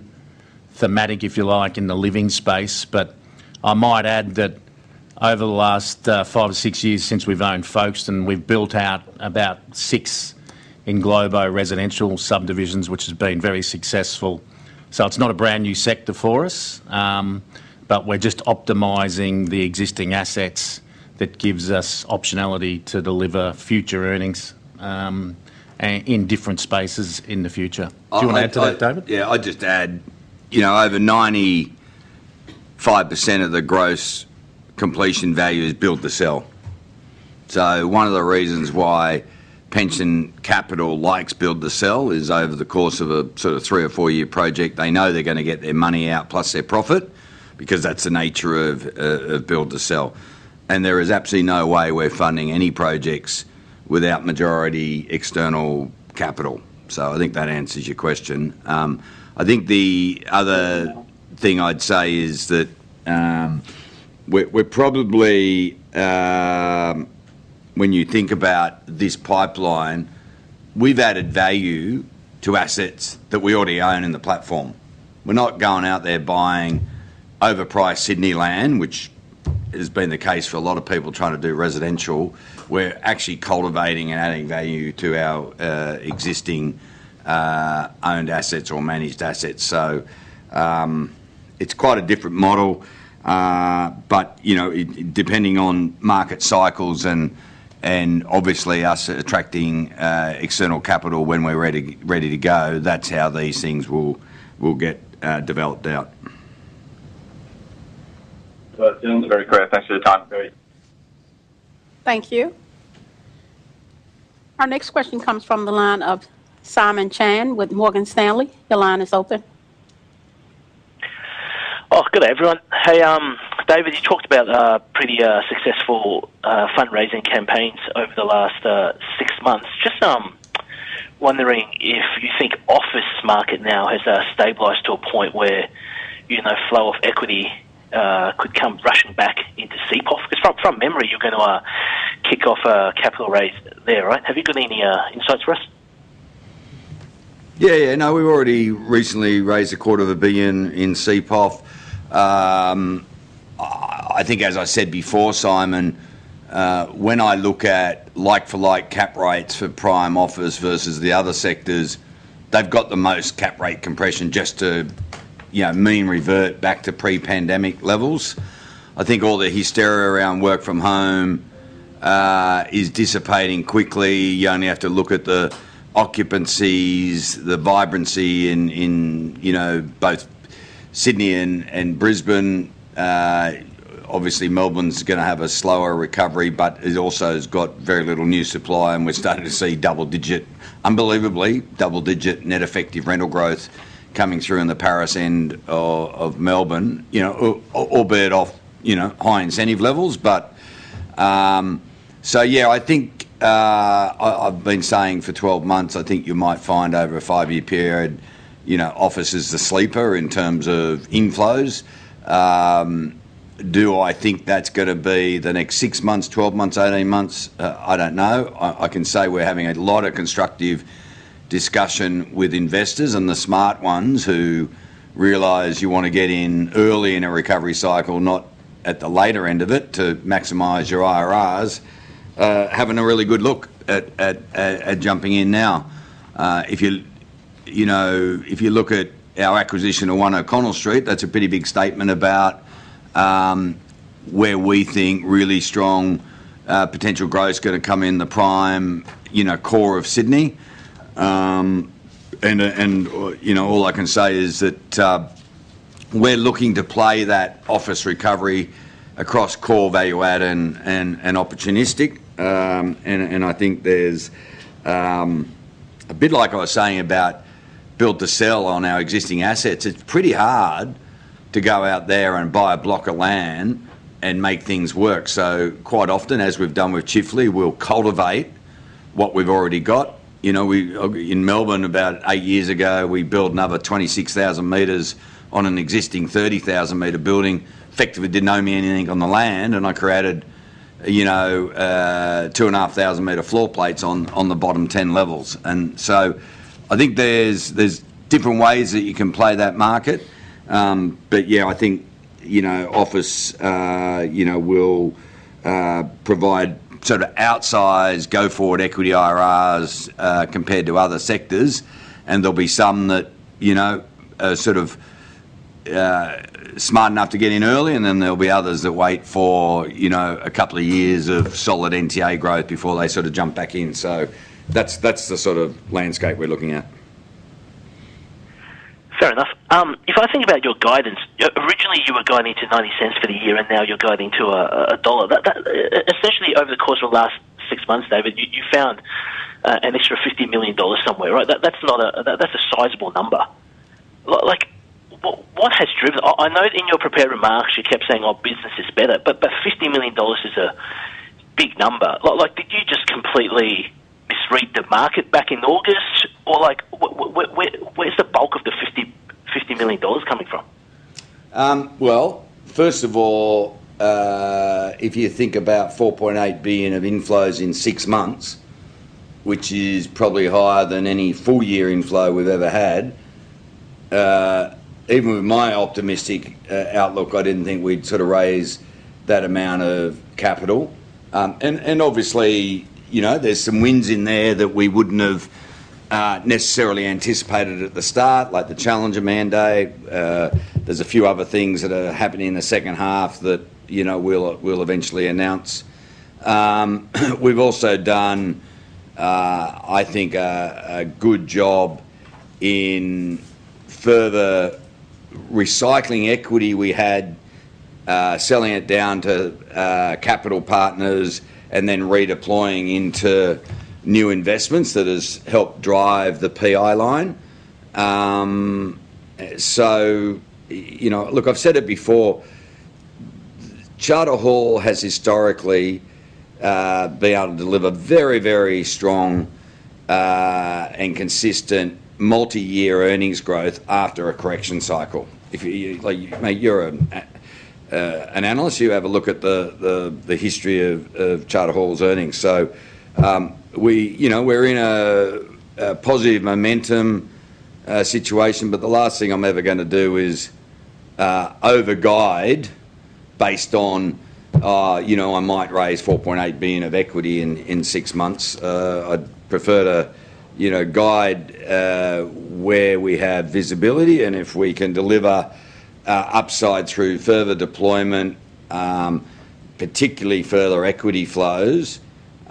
thematic, if you like, in the living space. But I might add that over the last five or six years since we've owned Folkestone, we've built out about six in global residential subdivisions, which has been very successful. So it's not a brand-new sector for us, but we're just optimizing the existing assets that gives us optionality to deliver future earnings in different spaces in the future. Do you want to add to that, David? Yeah, I'd just add, you know, over 95% of the gross completion value is build to sell. So one of the reasons why pension capital likes build to sell is over the course of a sort of three- or four-year project, they know they're gonna get their money out plus their profit, because that's the nature of build to sell. And there is absolutely no way we're funding any projects without majority external capital. So I think that answers your question. I think the other thing I'd say is that, we're probably, when you think about this pipeline, we've added value to assets that we already own in the platform. We're not going out there buying overpriced Sydney land, which has been the case for a lot of people trying to do residential. We're actually cultivating and adding value to our existing owned assets or managed assets. It's quite a different model, but, you know, it, depending on market cycles and obviously us attracting external capital when we're ready to go, that's how these things will get developed out. That sounds very clear. Thanks for your time. Thank you. Our next question comes from the line of Simon Chan with Morgan Stanley. Your line is open. Oh, good day, everyone. Hey, David, you talked about pretty successful fundraising campaigns over the last six months. Just wondering if you think office market now has stabilized to a point where, you know, flow of equity could come rushing back into CPIF? Because from memory, you're gonna kick off a capital raise there, right? Have you got any insights for us? No, we've already recently raised a quarter of a billion in CPIF. I think as I said before, Simon, when I look at like-for-like cap rates for prime office versus the other sectors, they've got the most cap rate compression just to mean revert back to pre-pandemic levels. I think all the hysteria around work from home is dissipating quickly. You only have to look at the occupancies, the vibrancy in, in, you know, both Sydney and, and Brisbane. Obviously, Melbourne's gonna have a slower recovery, but it also has got very little new supply, and we're starting to see double-digit, unbelievably, double-digit net effective rental growth coming through in the Paris End of Melbourne albeit off high incentive levels. I think, I've been saying for 12 months, I think you might find over a 5-year period, you know, office is the sleeper in terms of inflows. Do I think that's gonna be the next 6 months, 12 months, 18 months? I don't know. I can say we're having a lot of constructive discussion with investors and the smart ones who realize you want to get in early in a recovery cycle, not at the later end of it, to maximize your IRRs, having a really good look at jumping in now. If you, you know, if you look at our acquisition on One O'Connell Street, that's a pretty big statement about where we think really strong potential growth is gonna come in the prime core of Sydney. All I can say is that, we're looking to play that office recovery across core value add and, and, and opportunistic. I think there's, a bit like I was saying about build to sell on our existing assets, it's pretty hard to go out there and buy a block of land and make things work. So quite often, as we've done with Chifley, we'll cultivate what we've already got. We in Melbourne, about eight years ago, we built another 26,000 meters on an existing 30,000-square-meter building. Effectively, didn't owe me anything on the land, and I created 2,500-meter floor plates on, on the bottom 10 levels. And so I think there's, different ways that you can play that market. I think the office will provide outsized, go-forward equity IRRs, compared to other sectors. And there'll be some that are smart enough to get in early, and then there'll be others that wait for a couple of years of solid NTA growth before they sort of jump back in. That's the landscape we're looking at. Fair enough. If I think about your guidance, originally, you were guiding to 0.90 for the year, and now you're guiding to AUD 1. That, that, especially over the course of the last six months, David, you found an extra 50 million dollars somewhere, right? That's a sizable number. Like, what has driven, I know in your prepared remarks, you kept saying, "Our business is better," but fifty million dollars is a big number. Like, did you just completely misread the market back in August? Or, like, where's the bulk of the 50 million dollars coming from? Well, first of all, if you think about 4.8 billion of inflows in six months, which is probably higher than any full-year inflow we've ever had, even with my optimistic outlook, I didn't think we'd raise that amount of capital. And obviously, you know, there's some wins in there that we wouldn't have necessarily anticipated at the start, like the Challenger mandate. There's a few other things that are happening in the second half that, you know, we'll eventually announce. We've also done, I think, a good job in further recycling equity we had, selling it down to capital partners and then redeploying into new investments that has helped drive the PI line. Look, I've said it before, Charter Hall has historically been able to deliver very, very strong and consistent multi-year earnings growth after a correction cycle. If you're an analyst, you have a look at the history of Charter Hall's earnings. We, you know, we're in a positive momentum situation, but the last thing I'm ever gonna do is over-guide based on I might raise 4.8 billion of equity in six months. I'd prefer to guide where we have visibility, and if we can deliver upside through further deployment, particularly further equity flows,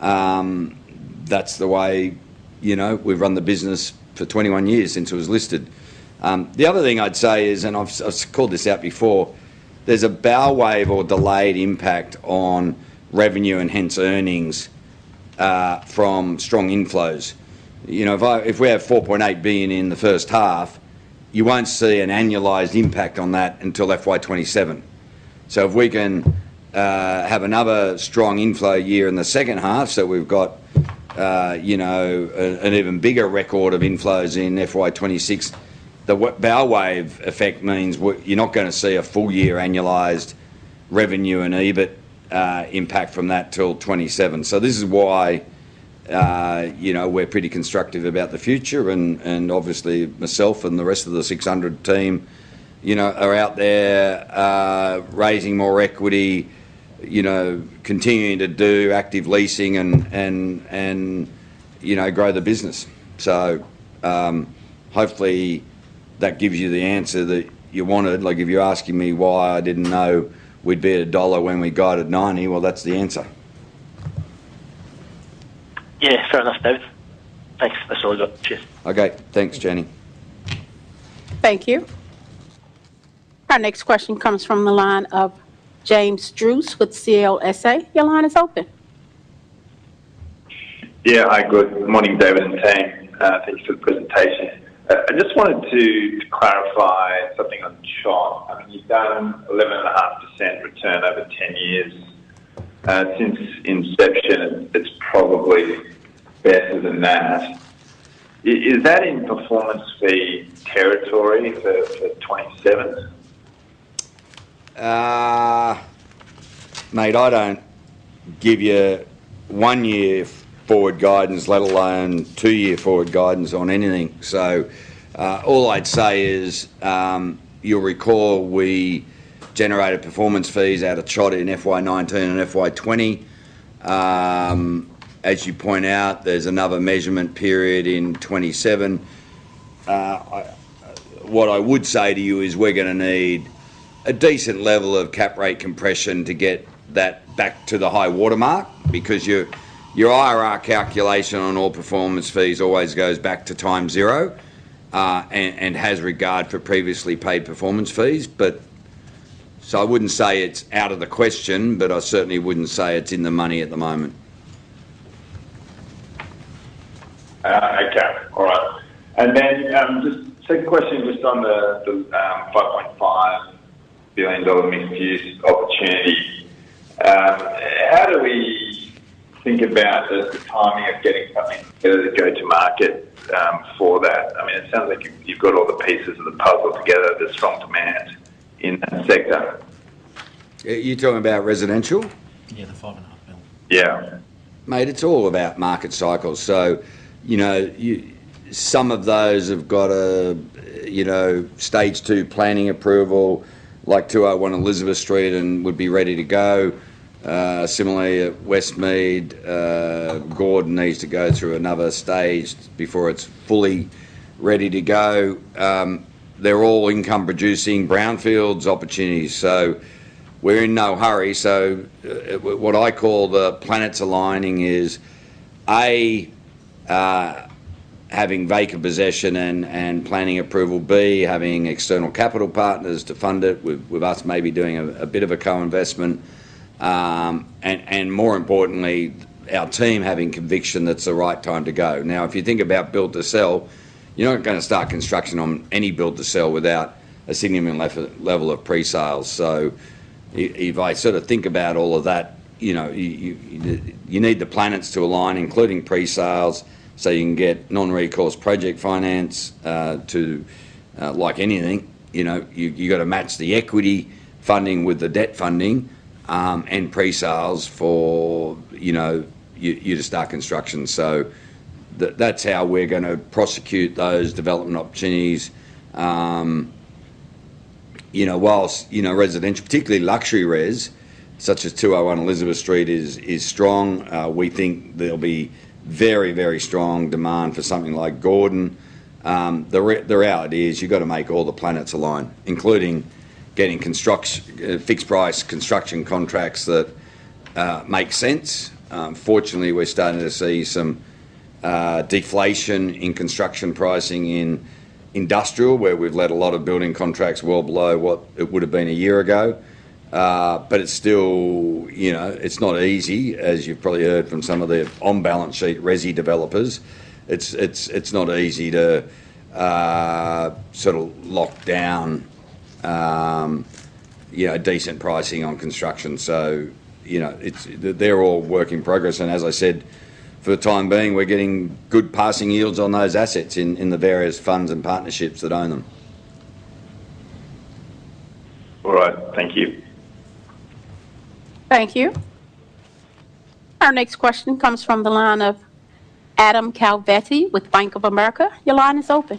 that's the way we've run the business for 21 years since it was listed. The other thing I'd say is, and I've called this out before, there's a bow wave or delayed impact on revenue and hence earnings from strong inflows. You know, if we have 4.8 billion in the first half, you won't see an annualized impact on that until FY 2027. So if we can have another strong inflow year in the second half, so we've got, you know, an even bigger record of inflows in FY 2026, the bow wave effect means you're not gonna see a full-year annualized revenue and EBIT impact from that till 2027. So this is why we're pretty constructive about the future, and obviously, myself and the rest of the 600 team are out there, raising more equity continuing to do active leasing and grow the business. So, hopefully, that gives you the answer that you wanted. Like, if you're asking me why I didn't know we'd be at AUD 1 when we guided 90, well, that's the answer. Yeah. Fair enough, David. Thanks. That's all I got. Cheers. Okay. Thanks, Simon. Thank you. Our next question comes from the line of James Druce with CLSA. Your line is open. Yeah. Hi, good morning, David and team. Thank you for the presentation. I just wanted to clarify something I'm not sure on. I mean, you've done 11.5% return over 10 years. Since inception, it's probably better than that. Is, is that in performance fee territory for '27? Mate, I don't give you one-year forward guidance, let alone two-year forward guidance on anything. So, all I'd say is, you'll recall we generated performance fees out of CHOT in FY 2019 and FY 2020. As you its point out, there's another measurement period in 2027. What I would say to you is we're gonna need a decent level of Cap Rate compression to get that back to the high watermark, because your IRR calculation on all performance fees always goes back to time zero, and has regard for previously paid performance fees. But, so I wouldn't say it's out of the question, but I certainly wouldn't say it's in the money at the moment. Okay. All right. And then, just second question, just on the, the, 5.5 billion dollar mixed-use opportunity. How do we think about the, the timing of getting something to go to market, for that? I mean, it sounds like you've got all the pieces of the puzzle together. There's strong demand in that sector. Are you talking about residential? Yeah, the 5.5 billion. Mate, it's all about market cycles. You know, some of those have got a Stage 2 planning approval, like 201 Elizabeth Street, and would be ready to go. Similarly, at Westmead, Gordon needs to go through another stage before it's fully ready to go. They're all income-producing brownfield opportunities, so we're in no hurry. What I call the planets aligning is A, having vacant possession and planning approval, B, having external capital partners to fund it, with us maybe doing a bit of a co-investment, and, more importantly, our team having conviction that it's the right time to go. Now, if you think about build to sell, you're not gonna start construction on any build to sell without a significant level of pre-sales. If think about all of that you need the planets to align, including pre-sales, so you can get non-recourse project finance to like anything you've got to match the equity funding with the debt funding, and pre-sales for you to start construction. So that's how we're gonna prosecute those development opportunities. While residential, particularly luxury res, such as 201 Elizabeth Street is strong, we think there'll be very, very strong demand for something like Gordon. The reality is you've got to make all the planets align, including getting fixed price construction contracts that make sense. Fortunately, we're starting to see some deflation in construction pricing in industrial, where we've let a lot of building contracts well below what it would have been a year ago. But it's still it's not easy, as you've probably heard from some of the on-balance sheet resi developers. It's not easy to lock down decent pricing on construction. They're all work in progress, and as I said, for the time being, we're getting good passing yields on those assets in the various funds and partnerships that own them. All right. Thank you. Thank you. Our next question comes from the line of Adam Calvetti with Bank of America. Your line is open.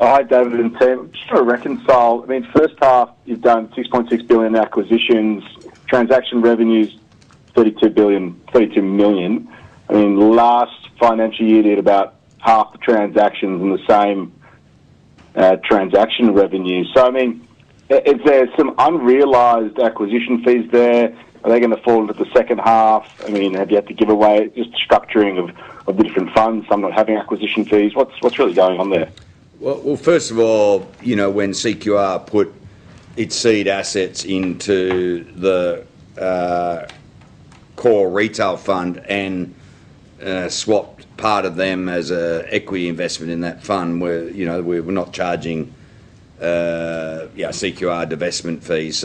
Hi, David and team. Just trying to reconcile. I mean, first half, you've done 6.6 billion acquisitions, transaction revenues, 32 billion to 32 million. I mean, last financial year did about half the transactions and the same, transaction revenue. So I mean, is there some unrealized acquisition fees there? Are they going to fall into the second half? I mean, have you had to give away just structuring of, of the different funds, some not having acquisition fees? What's really going on there? Well, first of all, when CQR put its seed assets into the core retail fund and swapped part of them as an equity investment in that fund we're not charging CQR divestment fees.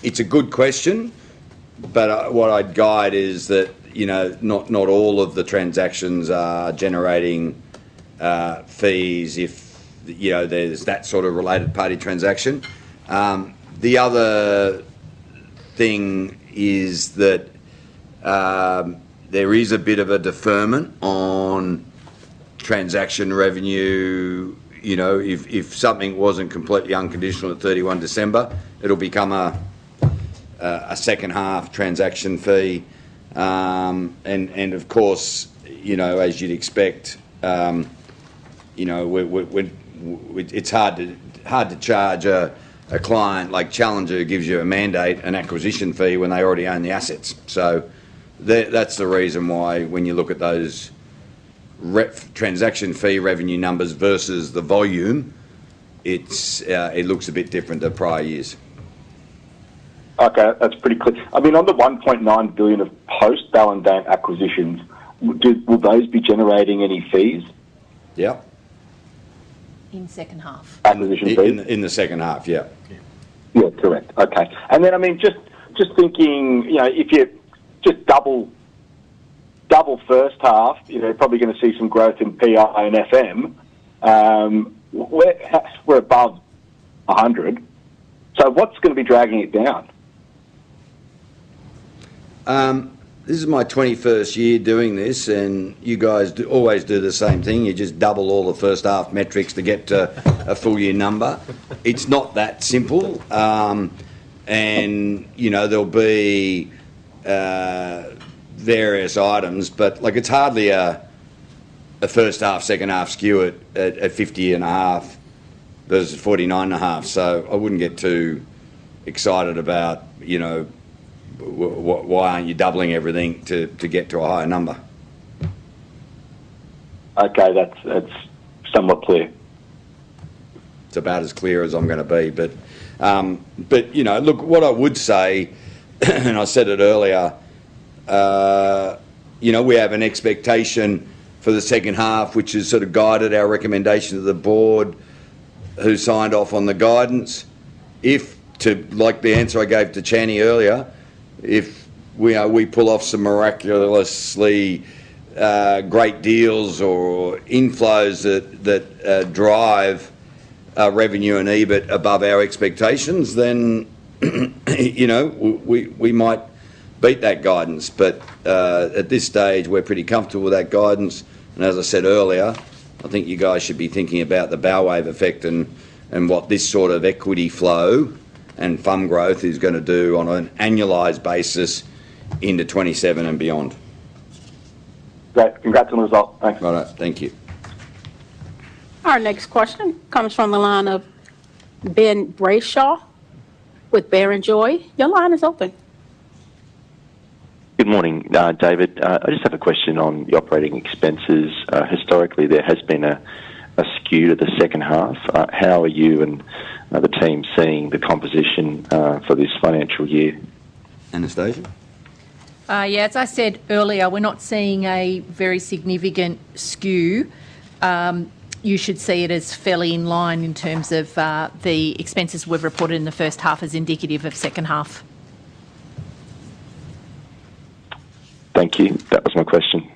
It's a good question, but what I'd guide is that not all of the transactions are generating fees if there's that sort of related party transaction. The other thing is that there is a bit of a deferment on transaction revenue. If something wasn't completely unconditional at 31 December, it'll become a second-half transaction fee. And of course, as you'd expect when it's hard to charge a client like Challenger, who gives you a mandate, an acquisition fee when they already own the assets. So that's the reason why when you look at those recent transaction fee revenue numbers versus the volume, it looks a bit different than prior years. Okay, that's pretty clear. I mean, on the 1.9 billion of post-balance sheet acquisitions, will those be generating any fees? In second half. Acquisition fees? In the second half, yeah. Correct. Okay. And then, just thinking if you just double first half probably going to see some growth in PI and FM. We're, perhaps we're above 100. So what's going to be dragging it down? This is my 21st year doing this, and you guys always do the same thing. You just double all the first half metrics to get to a full year number. It's not that simple. There'll be various items, but it's hardly a first-half, second-half skew at 50.5 versus 49.5. So I wouldn't get too excited about why aren't you doubling everything to get to a higher number? Okay, that's, that's somewhat clear. It's about as clear as I'm gonna be. Look, what I would say, and I said it earlier we have an expectation for the second half, which has guided our recommendation to the board, who signed off on the guidance. Like the answer I gave to Chan earlier, if we pull off some miraculously, great deals or inflows that drive our revenue and EBIT above our expectations, then we might beat that guidance. But, at this stage, we're pretty comfortable with that guidance, and as I said earlier, I think you guys should be thinking about the bow wave effect and what this sort of equity flow and fund growth is gonna do on an annualized basis into 2027 and beyond. Great. Congratulations, all. Thank you. Right. Thank you. Our next question comes from the line of Ben Brayshaw with Barrenjoey. Your line is open. Good morning, David. I just have a question on the operating expenses. Historically, there has been a skew to the second half. How are you and the team seeing the composition for this financial year? Anastasia? Yeah, as I said earlier, we're not seeing a very significant skew. You should see it as fairly in line in terms of the expenses we've reported in the first half as indicative of second half. Thank you. That was my question.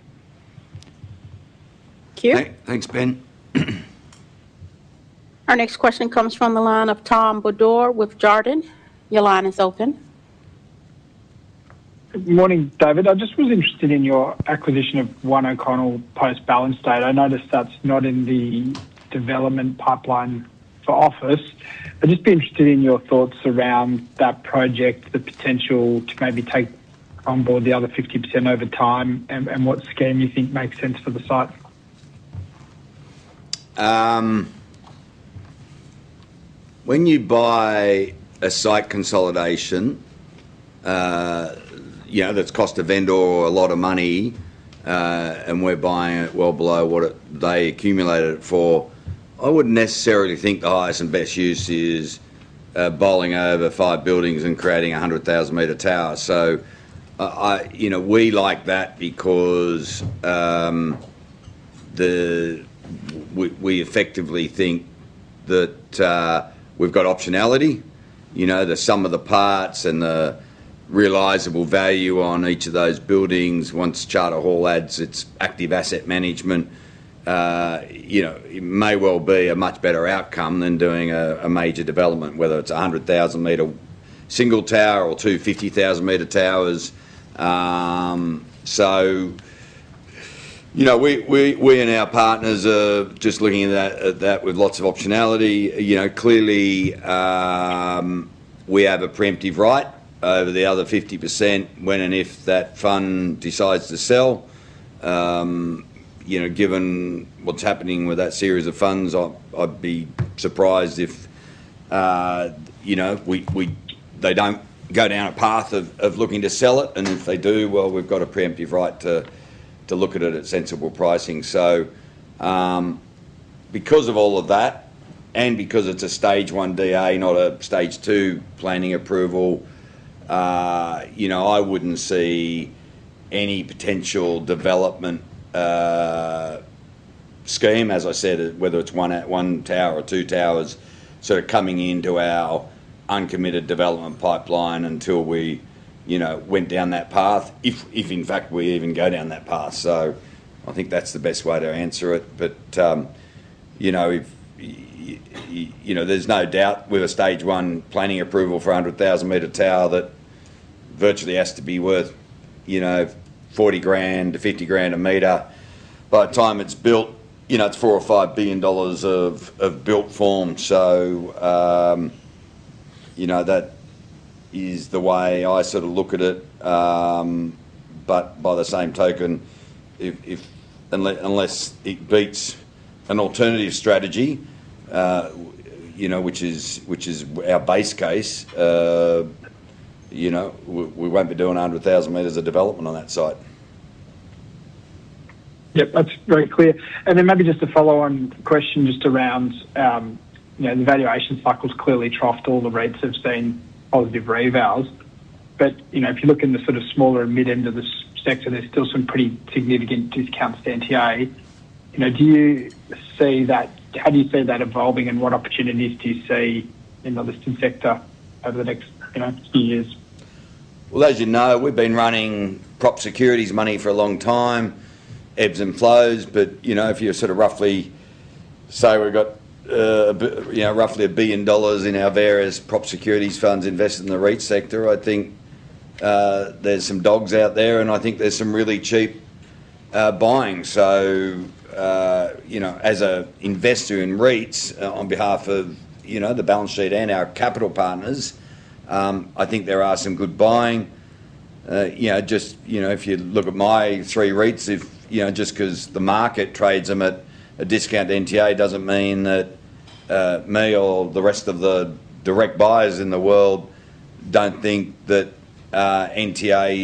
Thank you. Thanks, Ben. Our next question comes from the line of Tom Bodor with Jarden. Your line is open. Good morning, David. I just was interested in your acquisition of One O'Connell post-balance date. I noticed that's not in the development pipeline for office. I'd just be interested in your thoughts around that project, the potential to maybe take on board the other 50% over time, and what scheme you think makes sense for the site? When you buy a site consolidation, you know, that's cost the vendor a lot of money, and we're buying it well below what they accumulated it for, I wouldn't necessarily think the highest and best use is bowling over five buildings and creating a 100,000 meter tower. I, you know, we like that because we effectively think that we've got optionality, you know, the sum of the parts and the realisable value on each of those buildings. Once Charter Hall adds its active asset management, you know, it may well be a much better outcome than doing a major development, whether it's a 100,000 meter single tower or two 50,000 meter towers. Our partners and I are just looking at that with lots of optionality. Clearly, we have a preemptive right over the other 50% when and if that fund decides to sell. Given what's happening with that series of funds I'd be surprised if they don't go down a path of looking to sell it, and if they do, we've got a preemptive right to look at it at sensible pricing. Because of all of that, and because it's a Stage 1 DA, not a Stage 2 planning approval, you know, I wouldn't see any potential development, scheme, as I said, whether it's 1 tower or 2 towers, coming into our uncommitted development pipeline until we, you know, went down that path if in fact, we even go down that path. I think that's the best way to answer it. There's no doubt with a stage 1 planning approval for a 100,000 meter tower that virtually has to be worth, you know, 40,000 to 50,000 a meter. By the time it's built, you know, it's 4 billion to 5 billion dollars of built form. That is the way I sort of look at it. By the same token, unless it beats an alternative strategy, you know, which is our base case, you know, we won't be doing 100,000 meters of development on that site. That's very clear. And then maybe just a follow-on question just around the valuation cycle's clearly troughed, all the rates have seen positive revals. If you look in the smaller and mid end of the sector, there's still some pretty significant discounts to NTA. Do you see that? How do you see that evolving, and what opportunities do you see in the listed sector over the next few years? Well, as you know, we've been running property securities money for a long time, ebbs and flows, but, you know, if you sort of roughly say we've got, a bit, you know, roughly 1 billion dollars in our various property securities funds invested in the REIT sector there's some dogs out there, and I think there's some really cheap, buying. As an investor in REITs, on behalf of the balance sheet and our capital partners, I think there are some good buying. Just if you look at my three REITs, if just 'cause the market trades them at a discount to NTA, doesn't mean that, me or the rest of the direct buyers in the world don't think that, NTA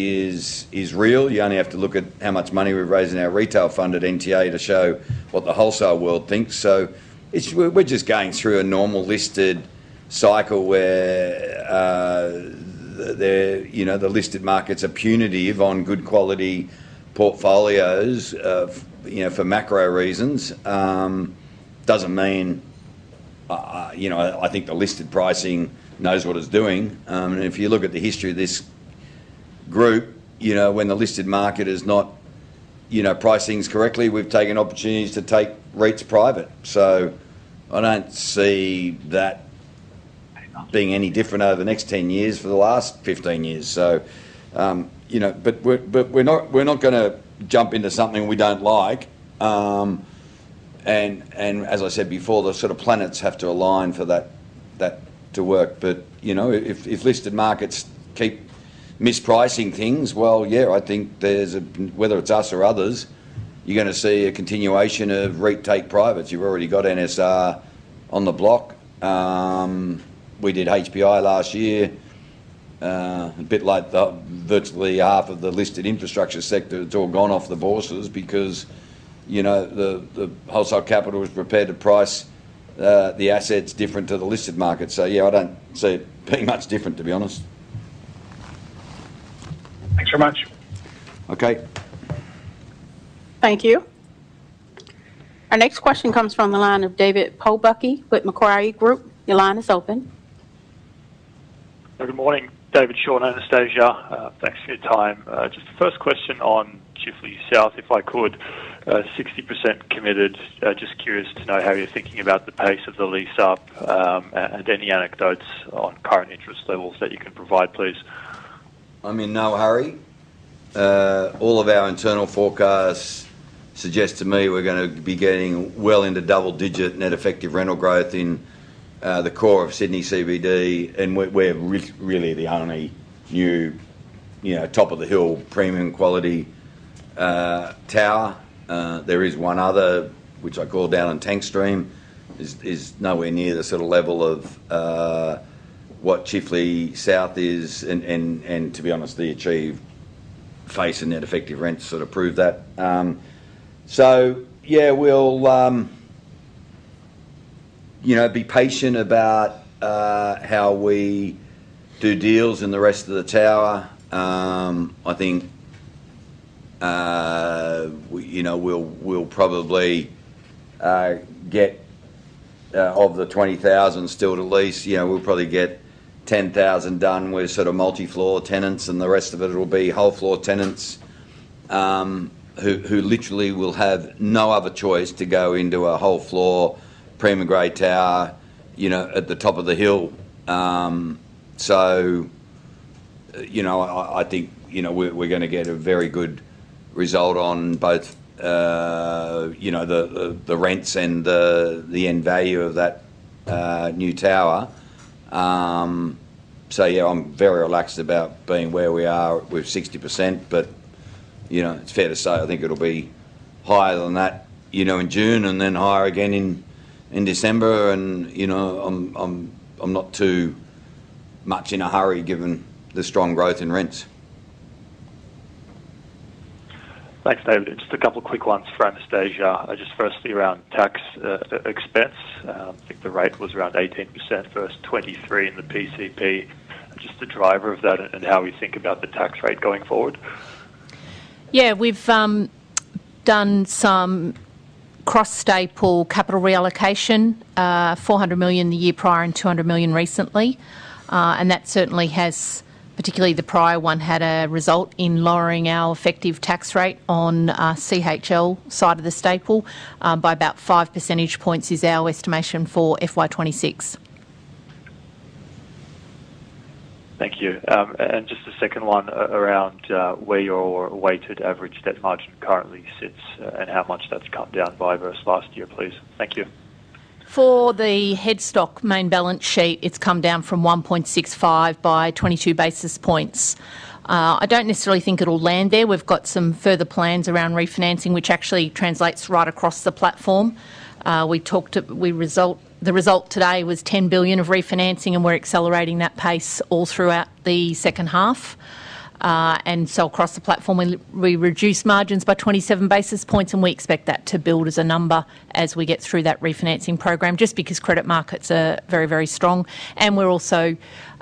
is real. You only have to look at how much money we've raised in our retail fund at NTA to show what the wholesale world thinks. So it's we're just going through a normal listed cycle where, the listed markets are punitive on good quality portfolios of, you know, for macro reasons. Doesn't mean I think the listed pricing knows what it's doing. And if you look at the history of this group, you know, when the listed market is not pricing us correctly, we've taken opportunities to take REITs private. So I don't see that being any different over the next 10 years for the last 15 years. So, you know, but we're not gonna jump into something we don't like. And as I said before, the sort of planets have to align for that to work. If listed markets keep mispricing things, well, yeah, I think there's whether it's us or others, you're gonna see a continuation of REIT take privates. You've already got NSR on the block. We did HPI last year, a bit like virtually half of the listed infrastructure sector, it's all gone off the bourses because the wholesale capital is prepared to price the assets different to the listed market. So yeah, I don't see it being much different, to be honest. Thanks very much. Okay. Thank you. Our next question comes from the line of David Pobucky with Macquarie Group. Your line is open. Good morning, David, Sean, and Anastasia. Thanks for your time. Just the first question on Chifley South, if I could. 60% committed. Just curious to know how you're thinking about the pace of the lease-up, and any anecdotes on current interest levels that you can provide, please. I'm in no hurry. All of our internal forecasts suggest to me we're gonna be getting well into double-digit net effective rental growth in the core of Sydney CBD, and we're really the only new, you know, top-of-the-hill, premium quality tower. There is one other, which I call down in Tank Stream, is nowhere near the sort of level of what Chifley South is, and to be honest, the achieved face and net effective rents sort of prove that. We'll be patient about how we do deals in the rest of the tower. We'll probably get, of the 20,000 still to lease, we'll probably get 10,000 done with multi-floor tenants, and the rest of it will be whole floor tenants, who literally will have no other choice to go into a whole-floor, premium-grade tower at the top of the hill. We're gonna get a very good result on both the rents and the end value of that new tower. I'm very relaxed about being where we are with 60%, but it's fair to say, I think it'll be higher than that in June and then higher again in December. You know, I'm not too much in a hurry, given the strong growth in rents. Thanks, David. Just a couple quick ones for Anastasia. Just firstly, around tax, expense. I think the rate was around 18% versus 23% in the PCP. Just the driver of that and how we think about the tax rate going forward. We've done some cross-state pool capital reallocation, 400 million the year prior and 200 million recently. And that certainly has, particularly the prior one, had a result in lowering our effective tax rate on the CHL side of the staple by about 5 percentage points, is our estimation for FY 2026. Thank you. And just a second one around where your weighted average debt margin currently sits, and how much that's come down by versus last year, please. Thank you. For the hedged main balance sheet, it's come down from 1.65 by 22 basis points. I don't necessarily think it'll land there. We've got some further plans around refinancing, which actually translates right across the platform. We talked, the result today was 10 billion of refinancing, and we're accelerating that pace all throughout the second half. And so across the platform, we reduce margins by 27 basis points, and we expect that to build as a number as we get through that refinancing program, just because credit markets are very, very strong, and we're also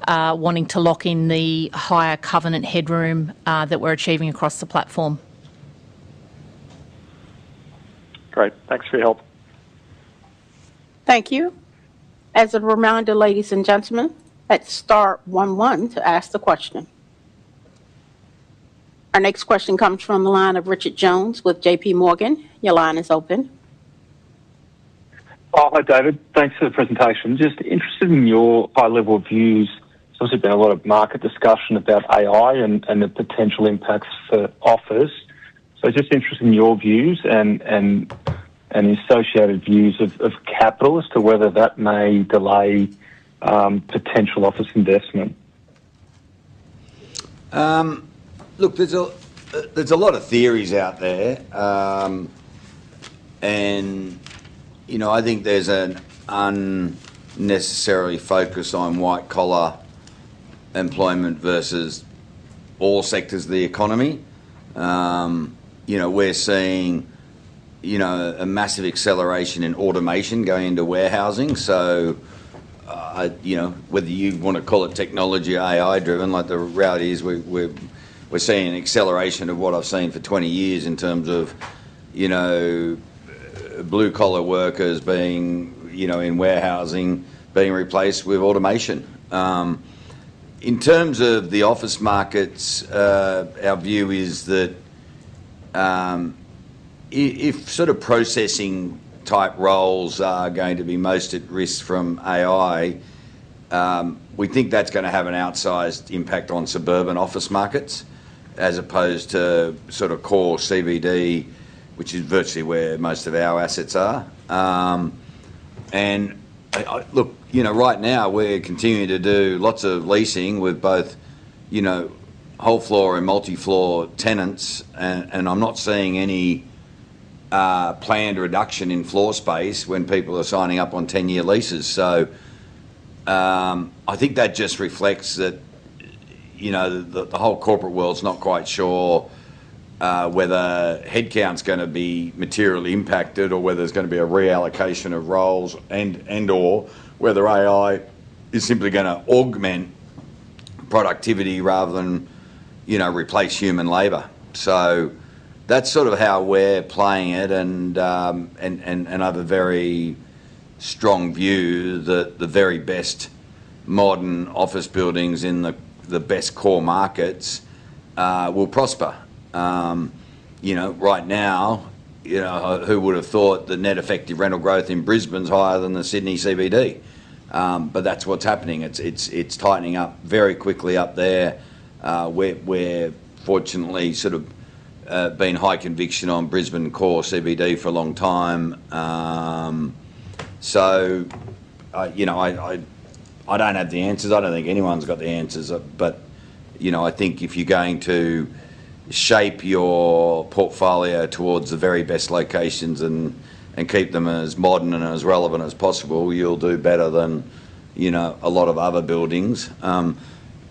wanting to lock in the higher covenant headroom that we're achieving across the platform. Great, thanks for your help. Thank you. As a reminder, ladies and gentlemen, hit star one one to ask the question. Our next question comes from the line of Richard Jones with JP Morgan. Your line is open. Oh, hi, David. Thanks for the presentation. Just interested in your high-level views. So there's been a lot of market discussion about AI and the potential impacts for office. So just interested in your views and the associated views of capital as to whether that may delay potential office investment. Look, there's a lot of theories out there, and, you know, I think there's an unnecessary focus on white-collar employment versus all sectors of the economy. You know, we're seeing a massive acceleration in automation going into warehousing. Whether you want to call it technology AI-driven, like, the reality is we're seeing an acceleration of what I've seen for 20 years in terms of, you know, blue-collar workers being, you know, in warehousing, being replaced with automation. In terms of the office markets, our view is that, if sort of processing-type roles are going to be most at risk from AI, we think that's gonna have an outsized impact on suburban office markets, as opposed to sort of core CBD, which is virtually where most of our assets are. Look, you know, right now, we're continuing to do lots of leasing with both, you know, whole floor and multi-floor tenants, and I'm not seeing any planned reduction in floor space when people are signing up on 10-year leases. So, I think that just reflects that, you know, the whole corporate world's not quite sure whether headcount's gonna be materially impacted, or whether there's gonna be a reallocation of roles and/or whether AI is simply gonna augment productivity rather than, you know, replace human labor. So that's sort of how we're playing it, and I have a very strong view that the very best modern office buildings in the best core markets will prosper. You know, right now, you know, who would have thought the net effective rental growth in Brisbane is higher than the Sydney CBD? But that's what's happening. It's tightening up very quickly up there. We're fortunately sort of been high conviction on Brisbane core CBD for a long time. So, you know, I don't have the answers. I don't think anyone's got the answers, but, you know, I think if you're going to shape your portfolio towards the very best locations and keep them as modern and as relevant as possible, you'll do better than, you know, a lot of other buildings.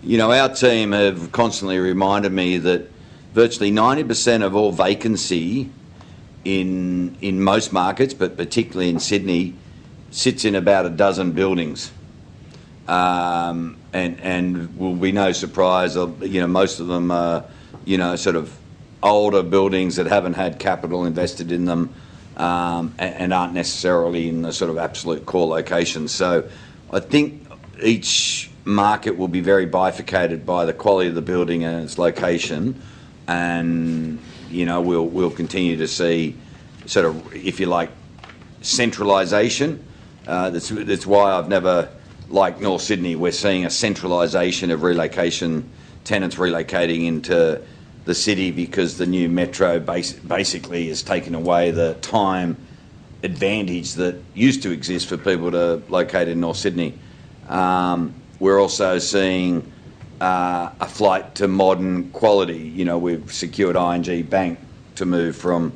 You know, our team have constantly reminded me that virtually 90% of all vacancy in most markets, but particularly in Sydney, sits in about a dozen buildings. And it will be no surprise of, you know, most of them are, you know, sort of older buildings that haven't had capital invested in them, and aren't necessarily in the sort of absolute core locations. So I think each market will be very bifurcated by the quality of the building and its location, and, you know, we'll continue to see sort of, if you like, centralization. That's why I've never liked North Sydney. We're seeing a centralization of relocation, tenants relocating into the city because the new metro basically has taken away the time advantage that used to exist for people to locate in North Sydney. We're also seeing a flight to modern quality. You know, we've secured ING Bank to move from,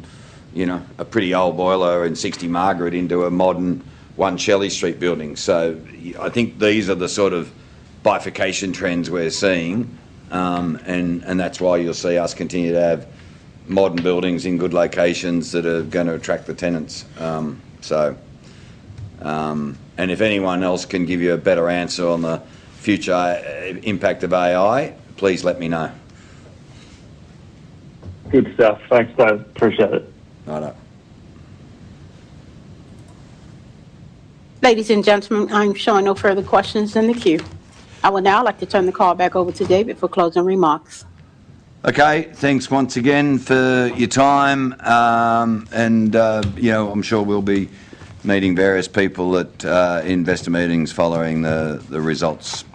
you know, a pretty old boiler in 60 Margaret into a modern One Shelley Street building. So, I think these are the sort of bifurcation trends we're seeing, and that's why you'll see us continue to have modern buildings in good locations that are gonna attract the tenants. And if anyone else can give you a better answer on the future impact of AI, please let me know. Good stuff. Thanks, David, appreciate it. Right on. Ladies and gentlemen, I'm showing no further questions in the queue. I would now like to turn the call back over to David for closing remarks. Okay. Thanks once again for your time. You know, I'm sure we'll be meeting various people at investor meetings following the results. Thank you.